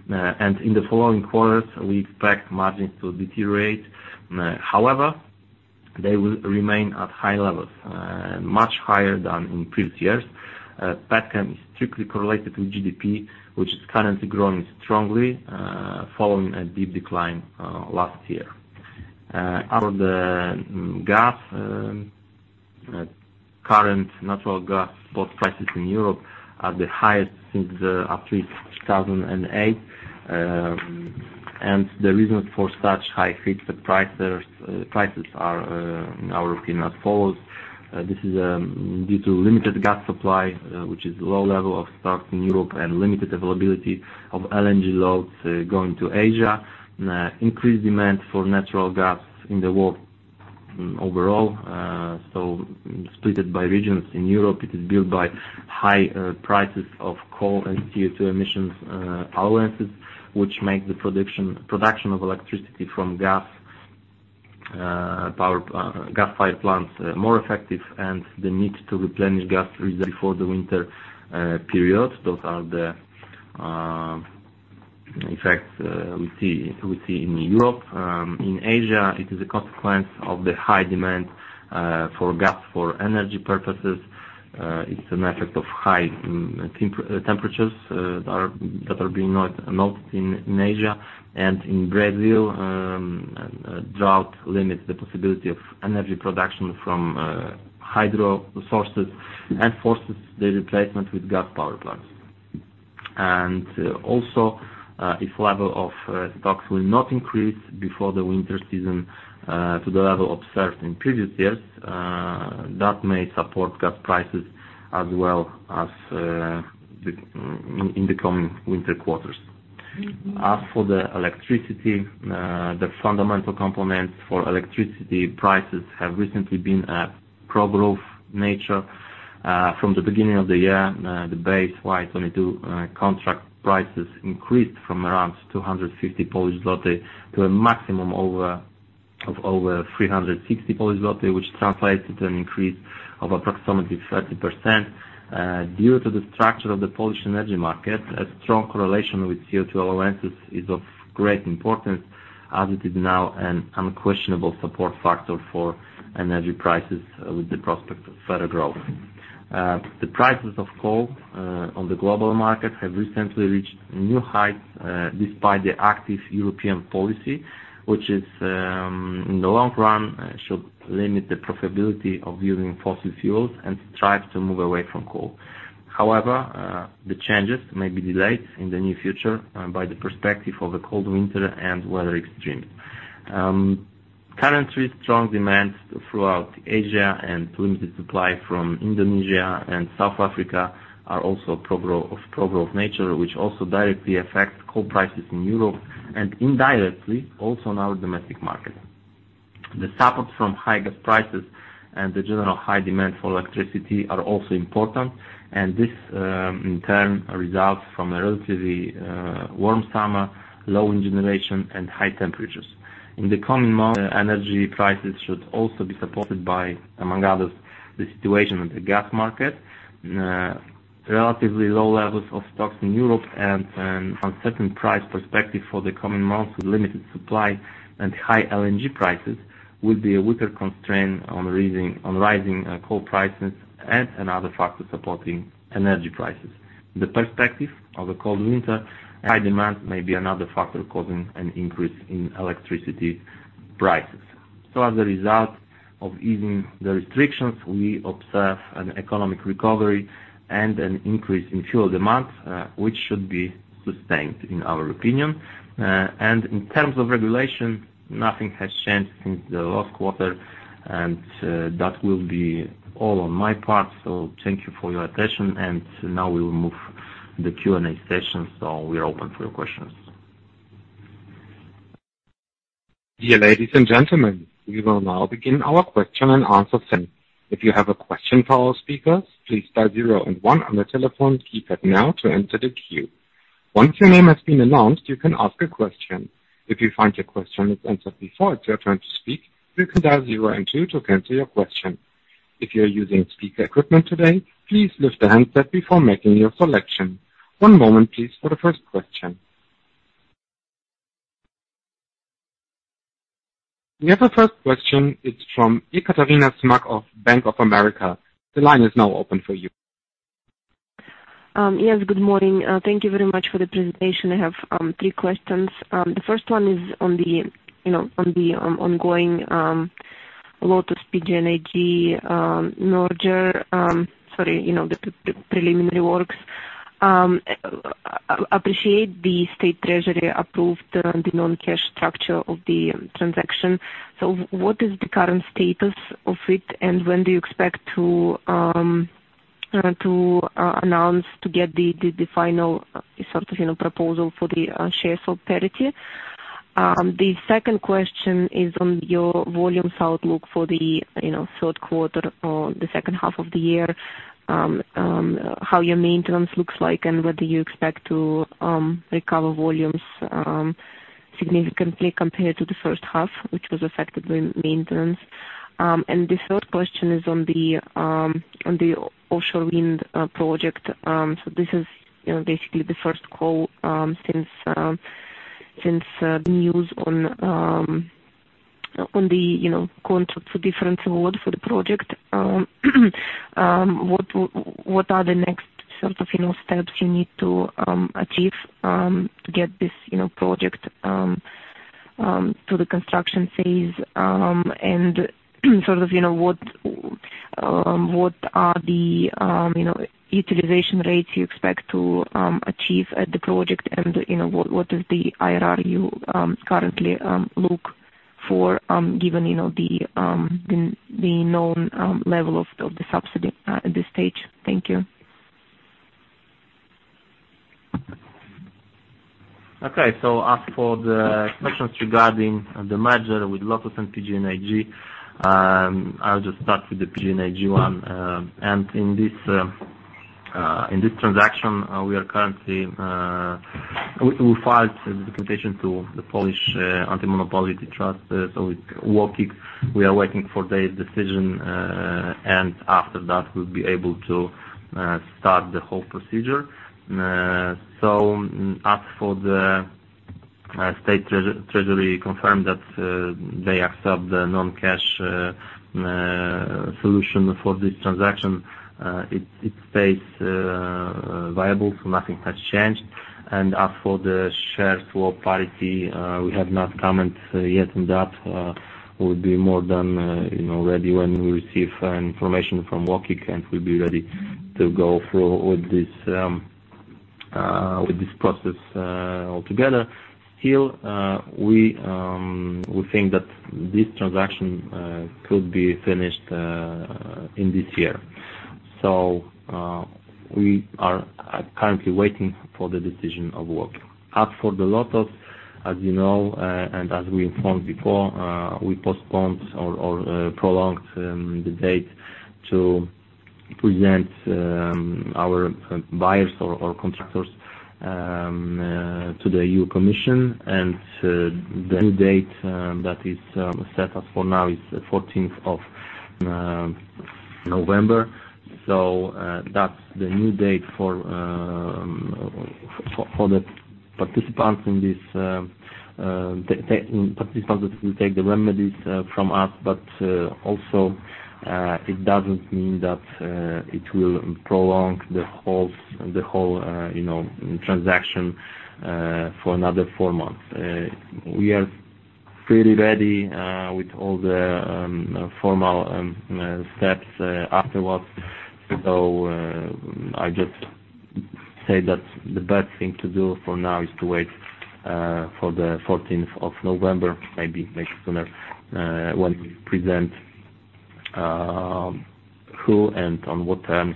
In the following quarters, we expect margins to deteriorate. However, they will remain at high levels, much higher than in previous years. Petchem is strictly correlated with GDP, which is currently growing strongly following a deep decline last year. Out of the gas, current natural gas spot prices in Europe are the highest since at least 2008. The reasons for such high fixed prices are, in our opinion, as follows. This is due to limited gas supply, which is low level of stocks in Europe and limited availability of LNG loads going to Asia, increased demand for natural gas in the world overall. Splitted by regions, in Europe, it is built by high prices of coal and CO2 emissions allowances, which make the production of electricity from gas-fired plants more effective, and the need to replenish gas reserves before the winter period. Those are the effects we see in Europe. In Asia, it is a consequence of the high demand for gas for energy purposes. It's an effect of high temperatures that are being noted in Asia and in Brazil. Drought limits the possibility of energy production from hydro sources and forces the replacement with gas power plants. If level of stocks will not increase before the winter season to the level observed in previous years, that may support gas prices as well in the coming winter quarters. Electricity, the fundamental components for electricity prices have recently been a pro-growth nature. From the beginning of the year, the Base Y 2022 contract prices increased from around 250 Polish zloty to a maximum of over 360 Polish zloty, which translates to an increase of approximately 30%. Due to the structure of the Polish energy market, a strong correlation with CO2 allowances is of great importance, as it is now an unquestionable support factor for energy prices, with the prospect of further growth. The prices of coal on the global market have recently reached new heights, despite the active European policy, which in the long run should limit the profitability of using fossil fuels and strive to move away from coal. However, the changes may be delayed in the near future by the perspective of a cold winter and weather extremes. Currently, strong demands throughout Asia and limited supply from Indonesia and South Africa are also of pro-growth nature, which also directly affects coal prices in Europe and indirectly also in our domestic market. The support from high gas prices and the general high demand for electricity are also important, and this in turn results from a relatively warm summer, low wind generation, and high temperatures. In the coming months, energy prices should also be supported by, among others, the situation in the gas market. Relatively low levels of stocks in Europe and uncertain price perspective for the coming months with limited supply and high LNG prices will be a weaker constraint on rising coal prices and another factor supporting energy prices. The perspective of a cold winter, high demand may be another factor causing an increase in electricity prices. As a result of easing the restrictions, we observe an economic recovery and an increase in fuel demand, which should be sustained in our opinion. In terms of regulation, nothing has changed since the last quarter, and that will be all on my part. Thank you for your attention, and now we will move the Q&A session. We are open for your questions. Dear ladies and gentlemen, we will now begin our question and answer session. If you have a question for our speaker please press star zero and one on your telephone to enter the queue. Once your name has been announced, you can ask a question. If you find your question has been answered before [unintelligible] if you are using a speaker equipment today please release the handset before making your collection. One moment please for the first question. We have a first question. It's from Ekaterina Smyk of Bank of America. The line is now open for you. Yes, good morning. Thank you very much for the presentation. I have three questions. The first one is on the ongoing Lotos PGNiG merger. Sorry, the preliminary works. Appreciate the State Treasury approved the non-cash structure of the transaction. What is the current status of it, and when do you expect to announce to get the final sort of proposal for the shares or parity? The second question is on your volumes outlook for the third quarter or the second half of the year, how your maintenance looks like, and whether you expect to recover volumes significantly compared to the first half, which was affected by maintenance. The third question is on the offshore wind project. This is basically the first call since the news on the contract for difference award for the project. What are the next sort of steps you need to achieve to get this project to the construction phase? Sort of what are the utilization rates you expect to achieve at the project, and what is the IRR you currently look for given the known level of the subsidy at this stage? Thank you. Okay. As for the questions regarding the merger with Lotos and PGNiG, I'll just start with the PGNiG one. In this transaction, we filed the presentation to the Polish anti-monopoly trust. We are working. We are waiting for their decision, and after that, we'll be able to start the whole procedure. As for the State Treasury confirmed that they accept the non-cash solution for this transaction, it stays viable. Nothing has changed. As for the shared swap parity, we have not comment yet on that. We'll be more than ready when we receive information from UOKiK, and we'll be ready to go through with this process altogether. Still, we think that this transaction could be finished in this year. We are currently waiting for the decision of UOKiK. As for the Lotos, as you know and as we informed before, we postponed or prolonged the date to present our buyers or contractors to the European Commission. The new date that is set up for now is 14th of November. That's the new date for the participants that will take the remedies from us. Also it doesn't mean that it will prolong the whole transaction for another four months. We are pretty ready with all the formal steps afterwards. I just say that the best thing to do for now is to wait for the 14th of November, maybe sooner, when we present who and on what terms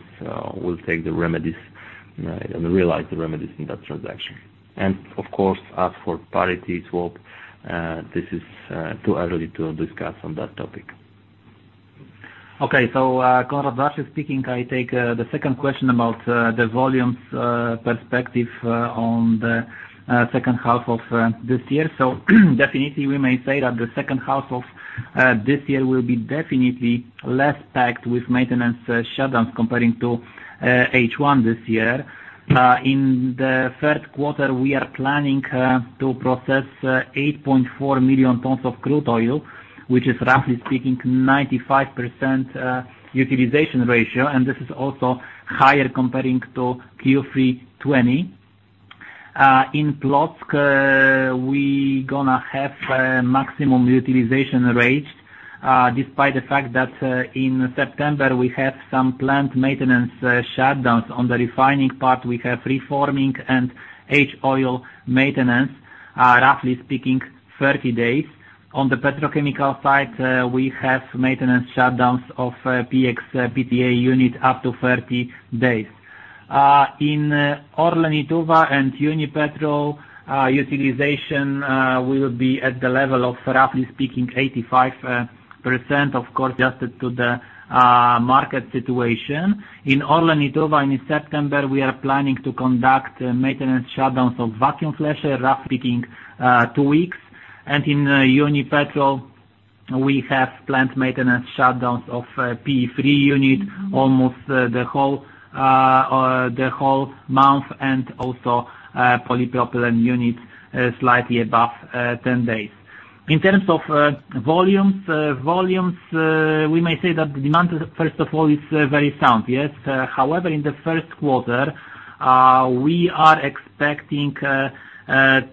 we'll take the remedies and realize the remedies in that transaction. Of course, as for parity swap, this is too early to discuss on that topic. Okay. Konrad Jarosz speaking. I take the second question about the volumes perspective on the second half of this year. Definitely we may say that the second half of this year will be definitely less packed with maintenance shutdowns comparing to H1 this year. In the third quarter, we are planning to process 8.4 million tons of crude oil, which is roughly speaking, 95% utilization ratio, and this is also higher comparing to Q3 2020. In Płock, we going to have maximum utilization rates, despite the fact that in September we have some plant maintenance shutdowns. On the refining part, we have reforming and H-Oil maintenance, roughly speaking, 30 days. On the petrochemical side, we have maintenance shutdowns of PX PTA unit up to 30 days. In Orlen Lietuva and Unipetrol, utilization will be at the level of roughly speaking, 85%, of course, adjusted to the market situation. In Orlen Lietuva in September, we are planning to conduct maintenance shutdowns of vacuum flasher, roughly speaking two weeks. In Unipetrol, we have plant maintenance shutdowns of P3 unit almost the whole month and also polypropylene units slightly above 10 days. In terms of volumes, we may say that the demand, first of all, is very sound. Yes. However, in the first quarter, we are expecting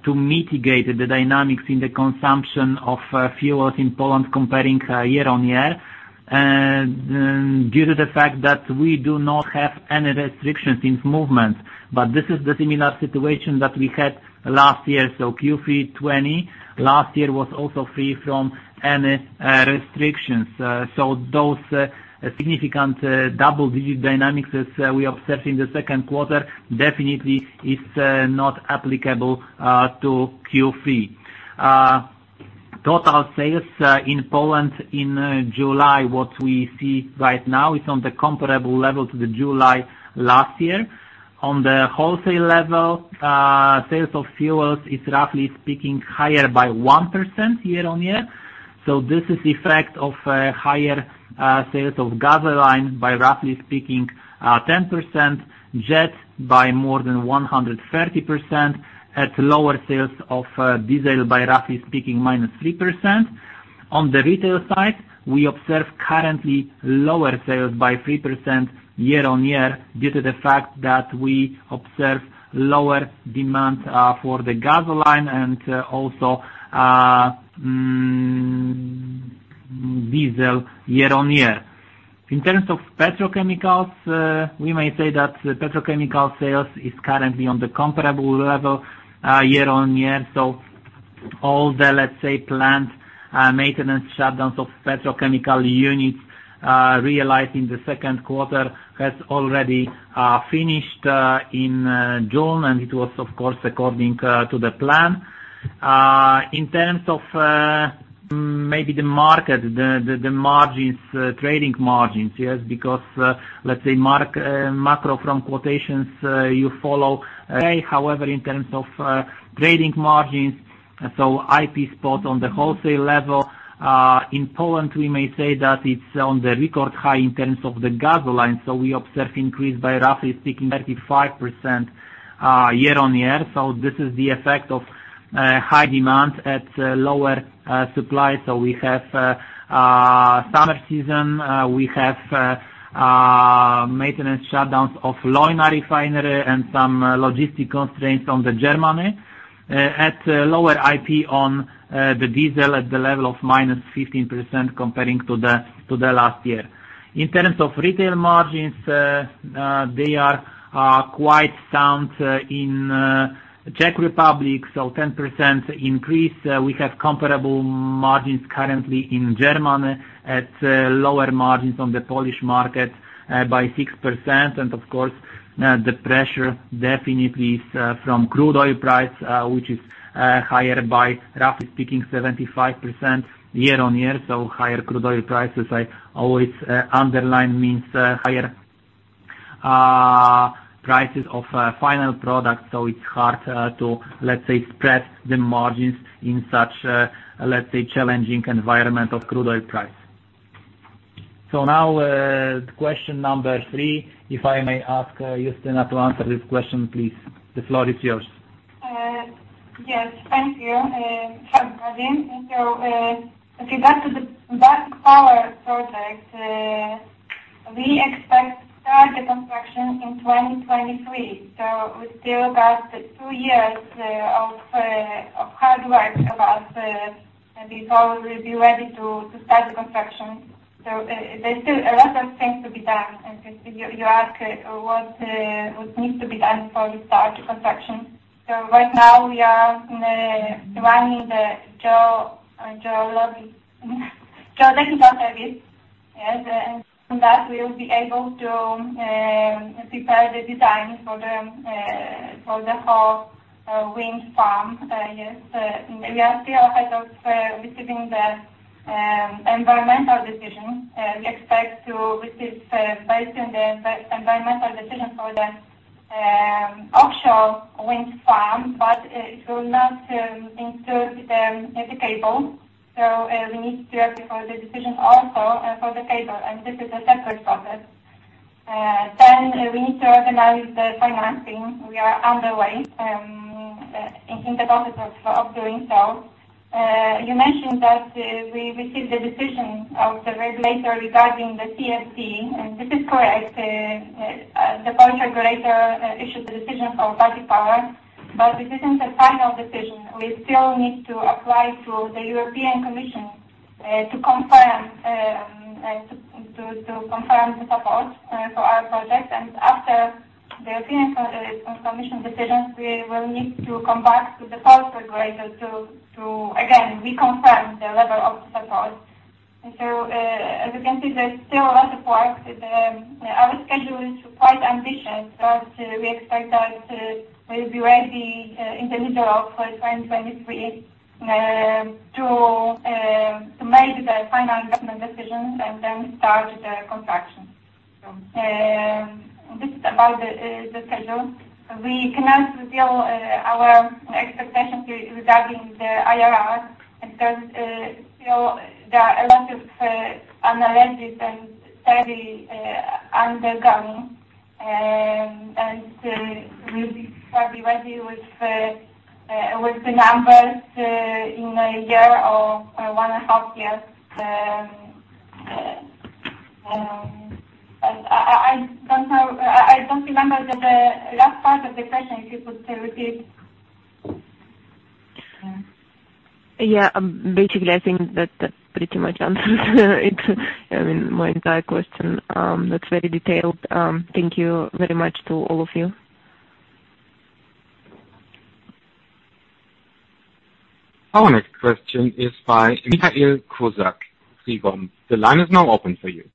to mitigate the dynamics in the consumption of fuels in Poland comparing year-on-year due to the fact that we do not have any restrictions in movement. This is the similar situation that we had last year. Q3 '20 last year was also free from any restrictions. Those significant double-digit dynamics that we observe in the second quarter definitely is not applicable to Q3. Total sales in Poland in July, what we see right now is on the comparable level to the July last year. On the wholesale level, sales of fuels is roughly speaking, higher by 1% year-on-year. This is effect of higher sales of gasoline by roughly speaking, 10%, jet by more than 130%, at lower sales of diesel by roughly speaking, -3%. On the retail side, we observe currently lower sales by 3% year-on-year due to the fact that we observe lower demand for the gasoline and also diesel year-on-year. In terms of petrochemicals, we may say that petrochemical sales is currently on the comparable level year-on-year. All the, let's say, plant maintenance shutdowns of petrochemical units realized in the second quarter has already finished in June, and it was of course according to the plan. In terms of maybe the market, the margins, trading margins, yes? Macro from quotations you follow. However, in terms of trading margins, IP spot on the wholesale level, in Poland, we may say that it's on the record high in terms of the gasoline. We observe increase by roughly speaking, 35% year-on-year. This is the effect of high demand at lower supply. We have summer season, we have maintenance shutdowns of Leuna refinery and some logistic constraints on the Germany at lower IP on the diesel at the level of -15% comparing to the last year. In terms of retail margins, they are quite sound in Czech Republic, so 10% increase. We have comparable margins currently in Germany at lower margins on the Polish market by 6%. Of course, the pressure definitely is from crude oil price, which is higher by roughly speaking, 75% year-on-year. Higher crude oil prices, I always underline means higher prices of final product. It's hard to, let's say, spread the margins in such a, let's say, challenging environment of crude oil price. Now, question number three, if I may ask Justyna to answer this question, please. The floor is yours. Yes. Thank you. Hi, Erwin. Okay, back to the Baltic Power project. We expect to start the construction in 2023. We still got two years of hard work ahead of us before we'll be ready to start the construction. There's still a lot of things to be done. You ask what needs to be done before we start the construction. Right now, we are running the geotechnical service. Yes. From that, we will be able to prepare the design for the whole wind farm. Yes. We are still ahead of receiving the environmental decision. We expect to receive very soon the environmental decision for the offshore wind farm, but it will not include the cable. We need to apply for the decision also for the cable, and this is a separate process. We need to organize the financing. We are underway in the process of doing so. You mentioned that we received the decision of the regulator regarding the CfD, this is correct. The Polish regulator issued the decision for Baltic Power, this isn't the final decision. We still need to apply to the European Commission to confirm the support for our project. After the opinion from Commission decision, we will need to come back to the Polish regulator to again reconfirm the level of support. As you can see, there's still a lot of UOKiK. Our schedule is quite ambitious, we expect that we'll be ready in the middle of 2023 to make the final government decision then start the construction. This is about the schedule. We cannot reveal our expectations regarding the IRR because there are a lot of analysis and study undergoing, and we'll be probably ready with the numbers in a year or one and a half years. I don't remember the last part of the question, if you could repeat. Yeah. Basically, I think that pretty much answers my entire question. That's very detailed. Thank you very much to all of you. Our next question is by Michał Kozak, Trigon. The line is now open for you.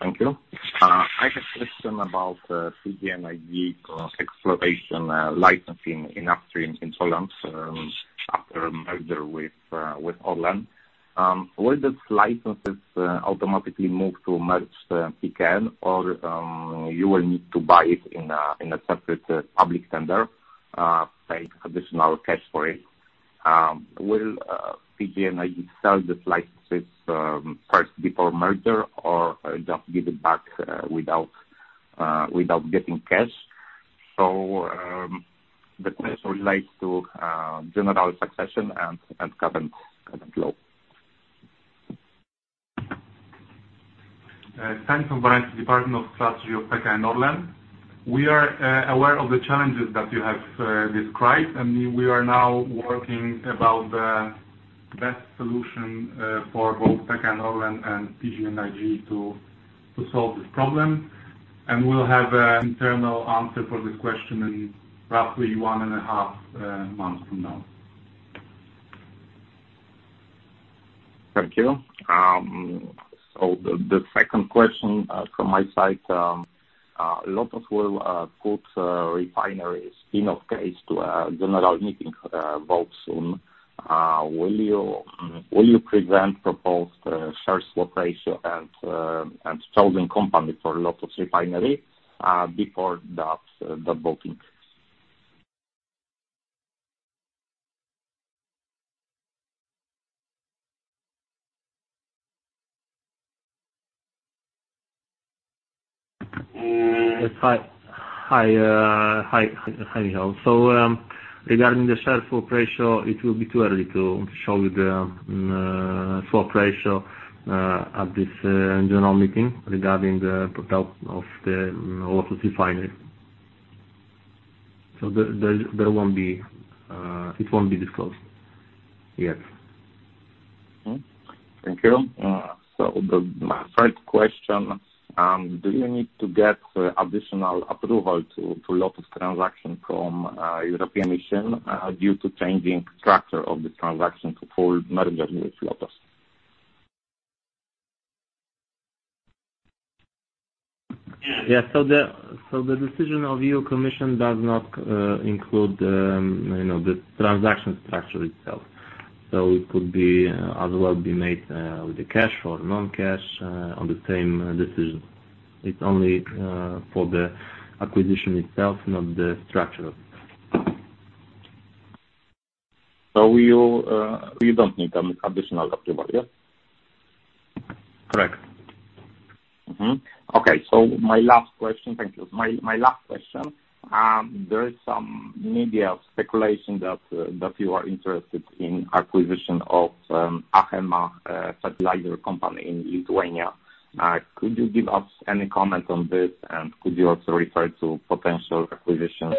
Thank you. I have question about PGNiG exploration licensing in upstream in Poland after merger with Orlen. Will these licenses automatically move to merged PKN, or you will need to buy it in a separate public tender, pay additional cash for it? Will PGNiG sell these licenses first before merger or just give it back without getting cash? The question relates to general succession and government law. Thanks for turning to Department of Strategy of PKN Orlen. We are aware of the challenges that you have described, and we are now working about the best solution for both PKN Orlen and PGNiG to solve this problem. We'll have an internal answer for this question in roughly one and a half months from now. Thank you. The second question from my side, Lotos will put refineries in a case to a general meeting vote soon. Will you present proposed share swap ratio and chosen company for Gdańsk Refinery before that voting? Hi, Michał. Regarding the share swap ratio, it will be too early to show you the swap ratio at this general meeting regarding the proposal of the Gdańsk Refinery. It won't be disclosed yet. Thank you. My third question, do you need to get additional approval to Lotos transaction from European Commission due to changing structure of this transaction to full merger with Lotos? Yeah. The decision of EU Commission does not include the transaction structure itself. It could be as well be made with the cash or non-cash on the same decision. It's only for the acquisition itself, not the structure. You don't need an additional approval, yeah? Correct. Okay, my last question. Thank you. My last question, there is some media speculation that you are interested in acquisition of Achema Fertilizer company in Lithuania. Could you give us any comment on this, and could you also refer to potential acquisitions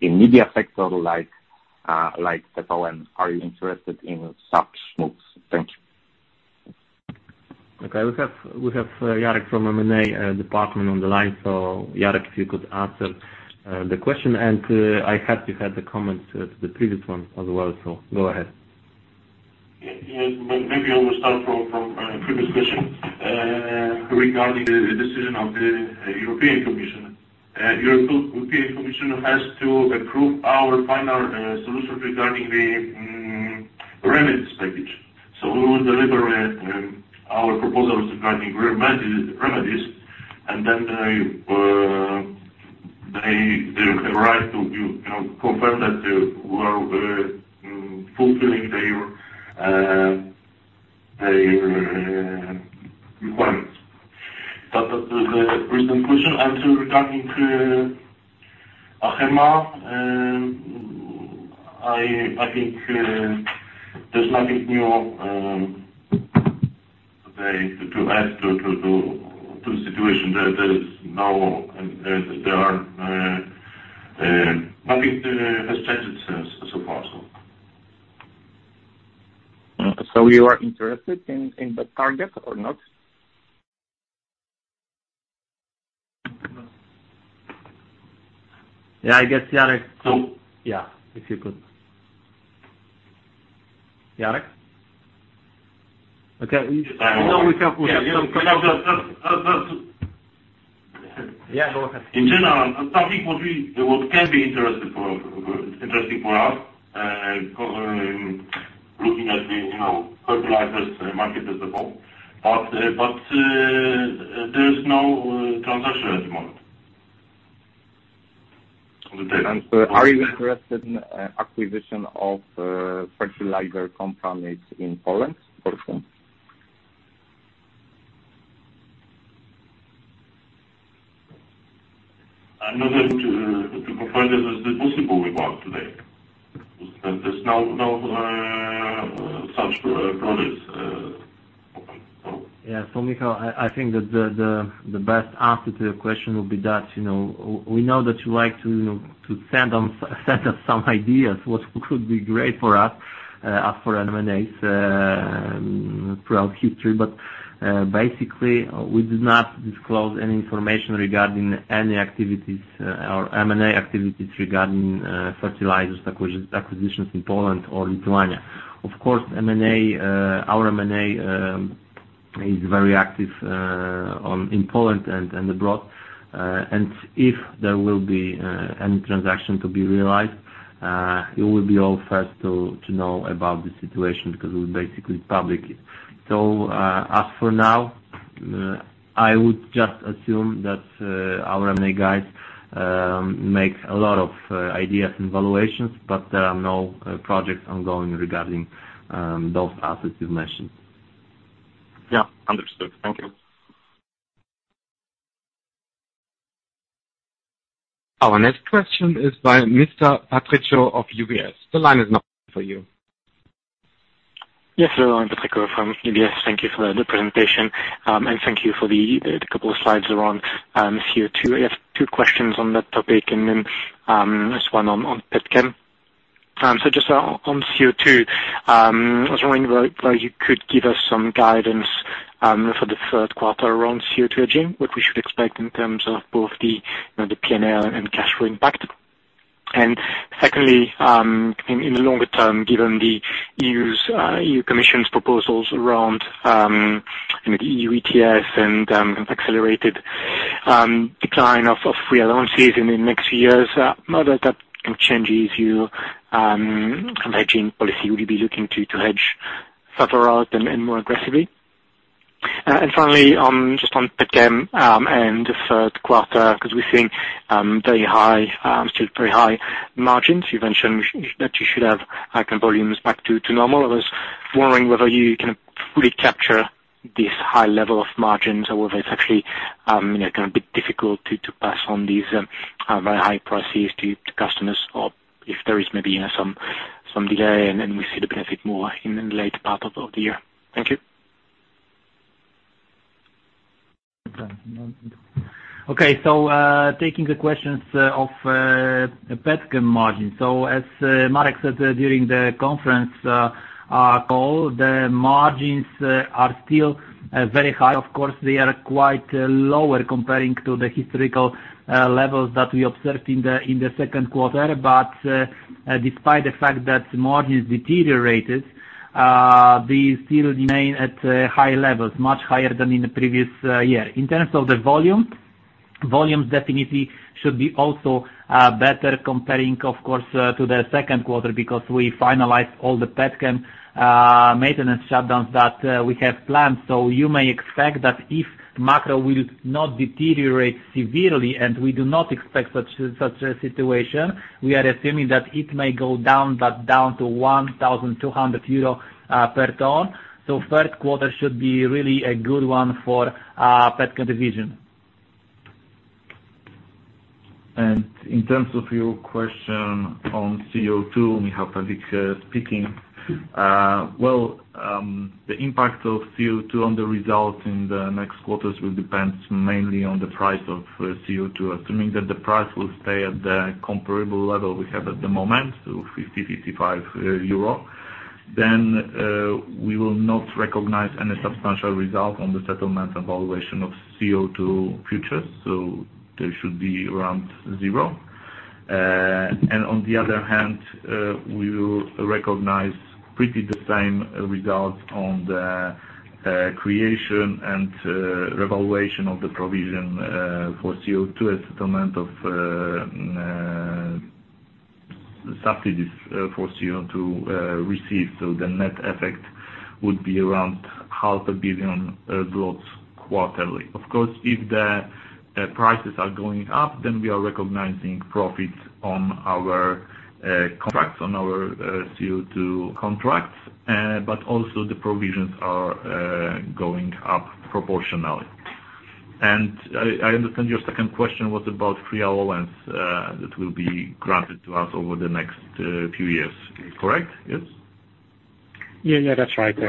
in media sector like Polska Press? Are you interested in such moves? Thank you. Okay. We have Jarek from M&A department on the line. Jarek, if you could answer the question, and I heard you had the comments to the previous one as well, so go ahead. Yeah. Maybe I will start from previous question regarding the decision of the European Commission. European Commission has to approve our final solution regarding the remedies package. We will deliver our proposals regarding remedies, then they have the right to confirm that we're fulfilling their requirements. The present question regarding Achema, I think there's nothing new today to add to the situation. Nothing has changed so far. You are interested in the target or not? Yeah, I guess, Jarek. Yeah, if you could. Jarek? Okay. No. Yeah. Yeah, go ahead. In general, something what can be interesting for us, looking at the fertilizers market as a whole, but there is no transaction at the moment. Are you interested in acquisition of fertilizer companies in Poland, for instance? I'm not able to confirm this as the possible we want today. There's no such products open. Yeah. Michał, I think that the best answer to your question would be that, we know that you like to send us some ideas, what could be great for us, as for M&As throughout history. Basically, we do not disclose any information regarding any activities or M&A activities regarding fertilizers acquisitions in Poland or Lithuania. Of course, our M&A is very active in Poland and abroad. If there will be any transaction to be realized, you will be all first to know about the situation, because we'll basically public it. As for now, I would just assume that our M&A guys make a lot of ideas and valuations, but there are no projects ongoing regarding those assets you mentioned. Yeah. Understood. Thank you. Our next question is by Mr. Patricio of UBS. The line is now open for you. Yes, sir. I'm Patricio from UBS. Thank you for the presentation. Thank you for the couple of slides around CO2. I have two questions on that topic and then just one on petchem. Just on CO2, I was wondering whether you could give us some guidance for the third quarter around CO2 hedging, what we should expect in terms of both the P&L and cash flow impact. Secondly, in the longer-term, given the EU Commission's proposals around the EU ETS and accelerated decline of free allowances in the next years, whether that changes your hedging policy. Would you be looking to hedge further out and more aggressively? Finally, just on petchem and the third quarter, because we're seeing still very high margins. You mentioned that you should have icon volumes back to normal. I was wondering whether you can fully capture this high level of margins or whether it's actually gonna be difficult to pass on these very high prices to customers, or if there is maybe some delay and then we see the benefit more in the later part of the year? Thank you. Okay. Taking the questions of petchem margin. As Marek said during the conference call, the margins are still very high of course they are quite lower comparing to the hesterical level that we are expecting in the second quarter. Despite the fact that margins deteriorated, they still remain at high levels, much higher than in the previous year. In terms of the volume, volumes definitely should be also better comparing, of course, to the second quarter because we finalized all the petchem maintenance shutdowns that we had planned. You may expect that if macro will not deteriorate severely, and we do not expect such a situation, we are assuming that it may go down, but down to 1,200 euro per ton. Third quarter should be really a good one for petchem division. In terms of your question on CO2, Michał Perlik speaking. The impact of CO2 on the results in the next quarters will depend mainly on the price of CO2. Assuming that the price will stay at the comparable level we have at the moment, so 50, 55 euro, then we will not recognize any substantial result on the settlement valuation of CO2 futures, so they should be around zero. On the other hand, we will recognize pretty the same results on the creation and revaluation of the provision for CO2 as settlement of subsidies for CO2 received. The net effect would be around half a billion zlotys quarterly. Of course, if the prices are going up, then we are recognizing profits on our contracts, on our CO2 contracts, but also the provisions are going up proportionally. I understand your second question was about free allowance that will be granted to us over the next few years. Correct? Yes. Yeah. That's right. We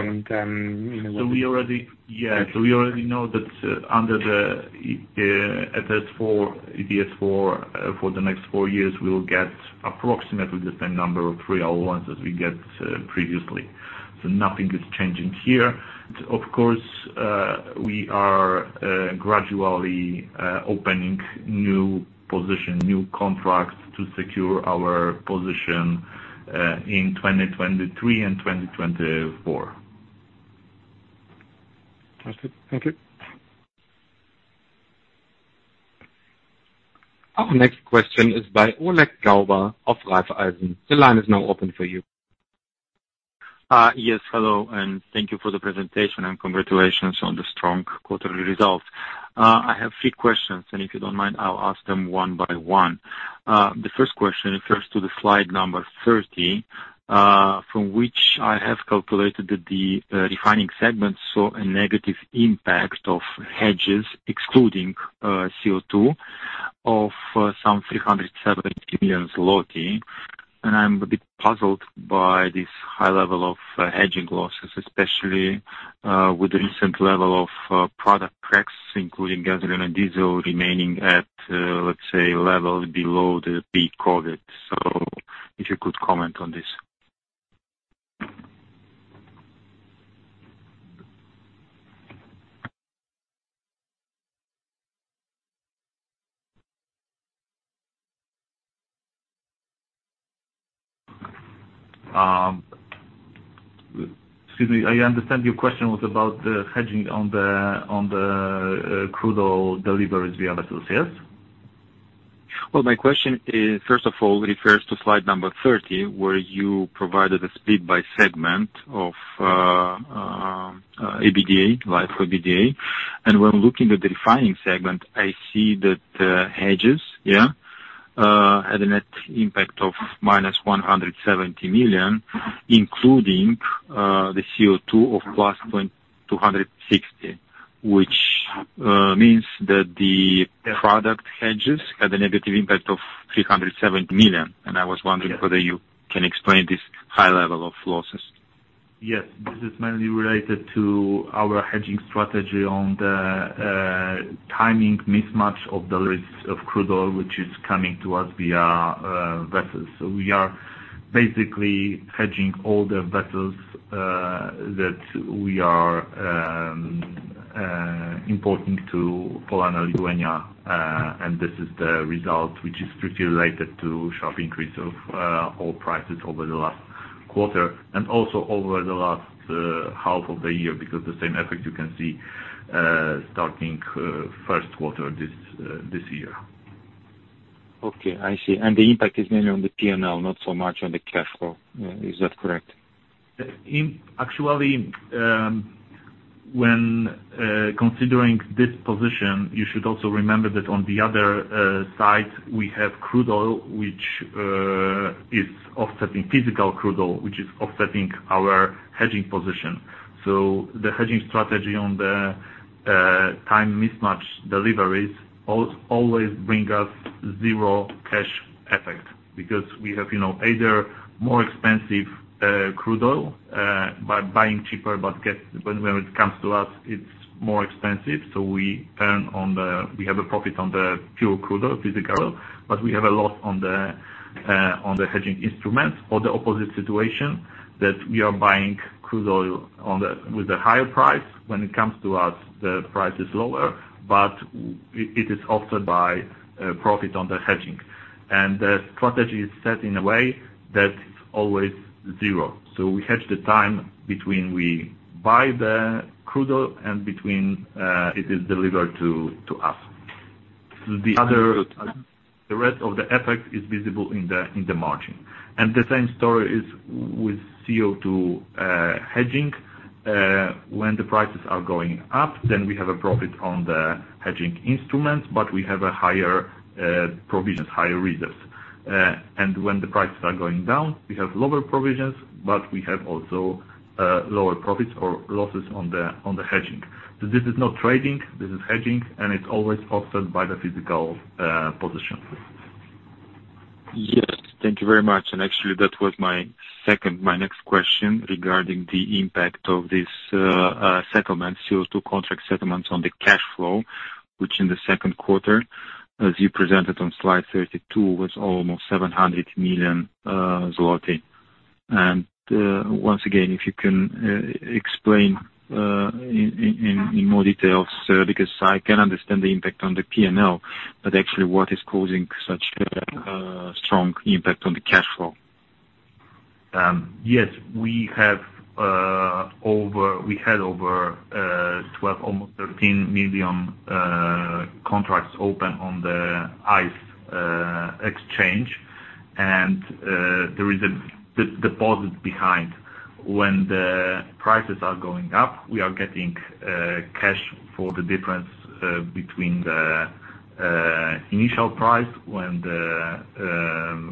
already know that under the ETS4, for the next four years, we will get approximately the same number of free allowance as we get previously. Nothing is changing here. Of course, we are gradually opening new position, new contracts to secure our position in 2023 and 2024. Understood. Thank you. Our next question is by Oleg Gałbur of Raiffeisen. The line is now open for you. Yes. Hello, thank you for the presentation and congratulations on the strong quarterly results. I have three questions, and if you don't mind, I'll ask them one by one. The first question refers to the slide number 30, from which I have calculated that the refining segment saw a negative impact of hedges, excluding CO2, of some 370 million zloty. I'm a bit puzzled by this high level of hedging losses, especially with the recent level of product prices, including gasoline and diesel remaining at, let's say, level below the peak COVID. If you could comment on this. Excuse me. I understand your question was about the hedging on the crude oil deliveries via vessels. Yes? Well, my question is, first of all, refers to slide 30, where you provided a split by segment of EBITDA, LIFO EBITDA. When looking at the refining segment, I see that hedges, yeah, had a net impact of -170 million, including the CO2 of +260 million, which means that the product hedges had a negative impact of 370 million. I was wondering whether you can explain this high level of losses. Yes. This is mainly related to our hedging strategy on the timing mismatch of deliveries of crude oil, which is coming to us via vessels. We are basically hedging all the vessels that we are importing to Poland and Lithuania. This is the result which is strictly related to sharp increase of oil prices over the last quarter and also over the last half of the year, because the same effect you can see starting 1st quarter this year. Okay. I see. The impact is mainly on the P&L, not so much on the cash flow. Is that correct? Actually, when considering this position, you should also remember that on the other side, we have crude oil, which is offsetting physical crude oil, which is offsetting our hedging position. The hedging strategy on the time mismatch deliveries always bring us zero cash effect because we have either more expensive crude oil, by buying cheaper but when it comes to us, it's more expensive, so we have a profit on the pure crude oil, physical oil, but we have a loss on the hedging instrument. Or the opposite situation, that we are buying crude oil with a higher price. When it comes to us, the price is lower, but it is offset by profit on the hedging. The strategy is set in a way that it's always zero. We hedge the time between we buy the crude oil and between it is delivered to us. The rest of the effect is visible in the margin. The same story is with CO2 hedging. When the prices are going up, then we have a profit on the hedging instrument, but we have a higher provisions, higher reserves. When the prices are going down, we have lower provisions, but we have also lower profits or losses on the hedging. This is not trading, this is hedging, and it's always offset by the physical position. Yes. Thank you very much. Actually, that was my next question regarding the impact of this settlement, CO2 contract settlement on the cash flow, which in the second quarter, as you presented on slide 32, was almost 700 million zloty. Once again, if you can explain in more details, because I can understand the impact on the P&L, but actually what is causing such a strong impact on the cash flow? Yes. We had over 12, almost 13 million contracts open on the ICE. There is a deposit behind. When the prices are going up, we are getting cash for the difference between the initial price when the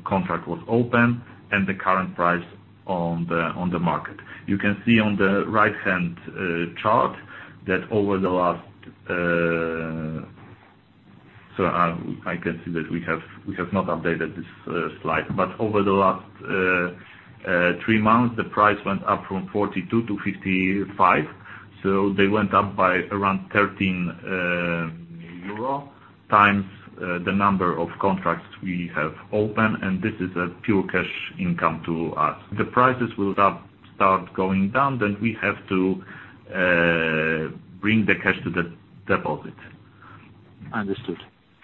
contract was open and the current price on the market. You can see on the right-hand chart that over the last Sorry, I can see that we have not updated this slide. Over the last three months, the price went up from 42-55. They went up by around 13 euro times the number of contracts we have open, and this is a pure cash income to us. The prices will start going down, then we have to bring the cash to the deposit. Understood.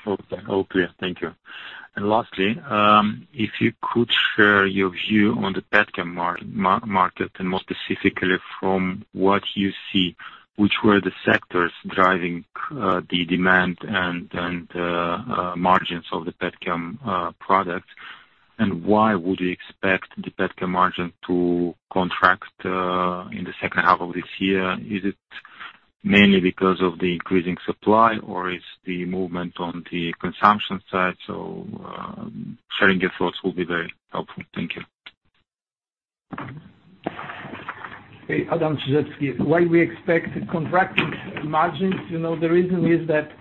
Okay. All clear. Thank you. Lastly, if you could share your view on the petchem market, and more specifically from what you see, which were the sectors driving the demand and the margins of the petchem products? Why would you expect the petchem margin to contract in the second half of this year? Is it mainly because of the increasing supply, or is the movement on the consumption side? Sharing your thoughts will be very helpful. Thank you. Adam Czyżewski. Why we expect contracting margins, the reason is that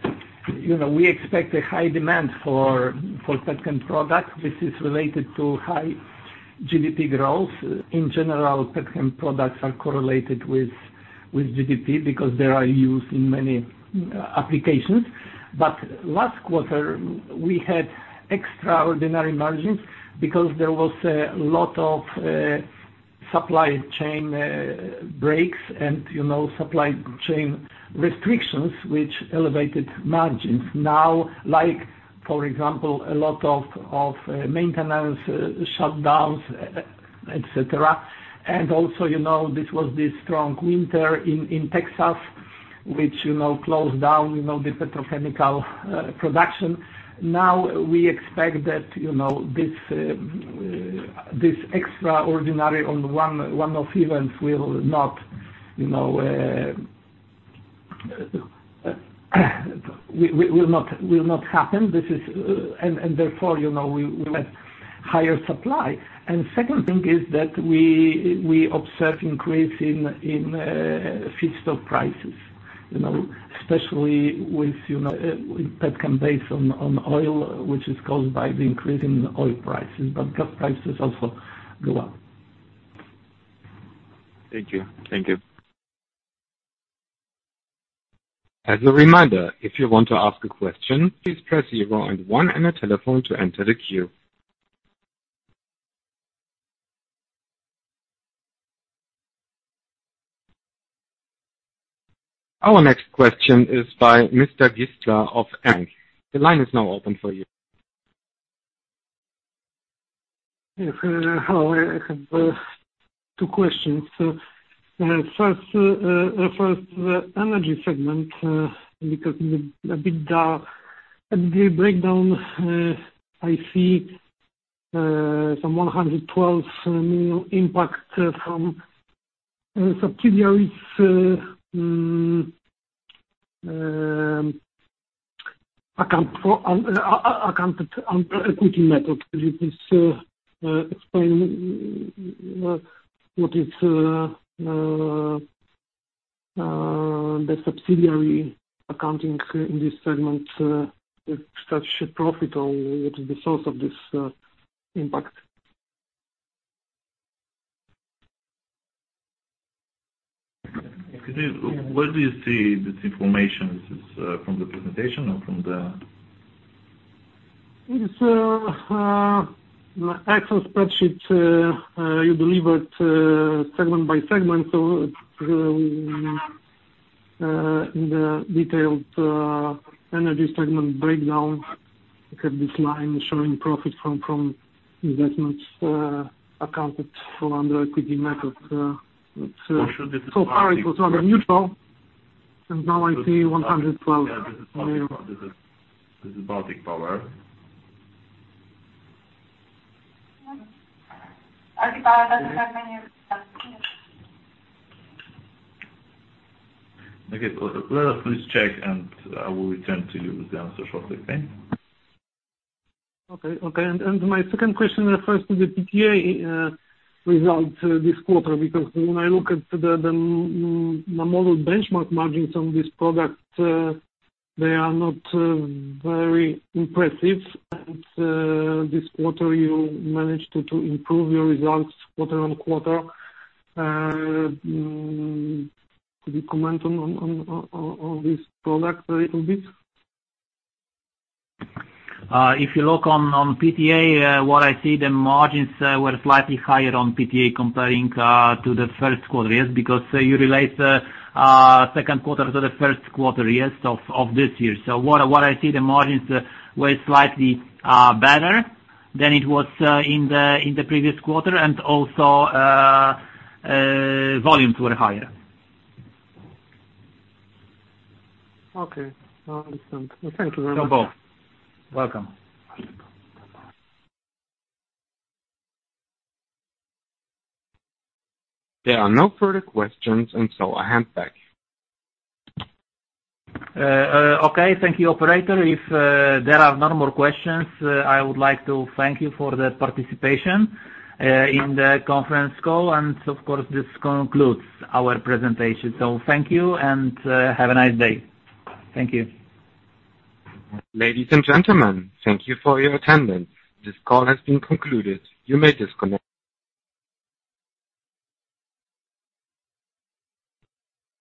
we expect a high demand for petchem products. This is related to high GDP growth. In general, petchem products are correlated with GDP because they are used in many applications. Last quarter, we had extraordinary margins because there was a lot of supply chain breaks and supply chain restrictions, which elevated margins. Now, like for example, a lot of maintenance shutdowns, et cetera. Also, this was this strong winter in Texas, which closed down the petrochemical production. Now we expect that this extraordinary one-off event will not happen. Therefore, we will have higher supply. Second thing is that we observe increase in feedstock prices. Especially with petchem based on oil, which is caused by the increase in oil prices. Gas prices also go up. Thank you. As a reminder, if you want to ask a question, please press zero and one on your telephone to enter the queue. Our next question is by Mr. Gistla of ENI. The line is now open for you. Yes. Hello. I have two questions. First, the energy segment, because in the breakdown, I see some 112 million impact from subsidiaries accounted on equity method. Could you please explain what is the subsidiary accounting in this segment? Is that profit, or what is the source of this impact? Where do you see this information? Is this from the presentation or from the? It's the Excel spreadsheet you delivered segment by segment. In the detailed energy segment breakdown, look at this line showing profit from investments accounted for under equity method. So far it was rather neutral, and now I see 112 million. This is Baltic Power. Baltic Power doesn't have many impacts. Okay. Let us please check, and I will return to you with the answer shortly. Okay? Okay. My second question refers to the PTA results this quarter, because when I look at the model benchmark margins on this product, they are not very impressive. This quarter you managed to improve your results quarter-on-quarter. Could you comment on this product a little bit? If you look on PTA, what I see, the margins were slightly higher on PTA comparing to the first quarter. Yes. Because you relate the second quarter to the first quarter, yes, of this year. What I see, the margins were slightly better than it was in the previous quarter, and also volumes were higher. Okay. I understand. Thank you very much. You're welcome. There are no further questions, and so I hand back. Okay. Thank you, operator. If there are no more questions, I would like to thank you for the participation in the conference call, and of course, this concludes our presentation. Thank you, and have a nice day. Thank you. Ladies and gentlemen, thank you for your attendance. This call has been concluded. You may disconnect.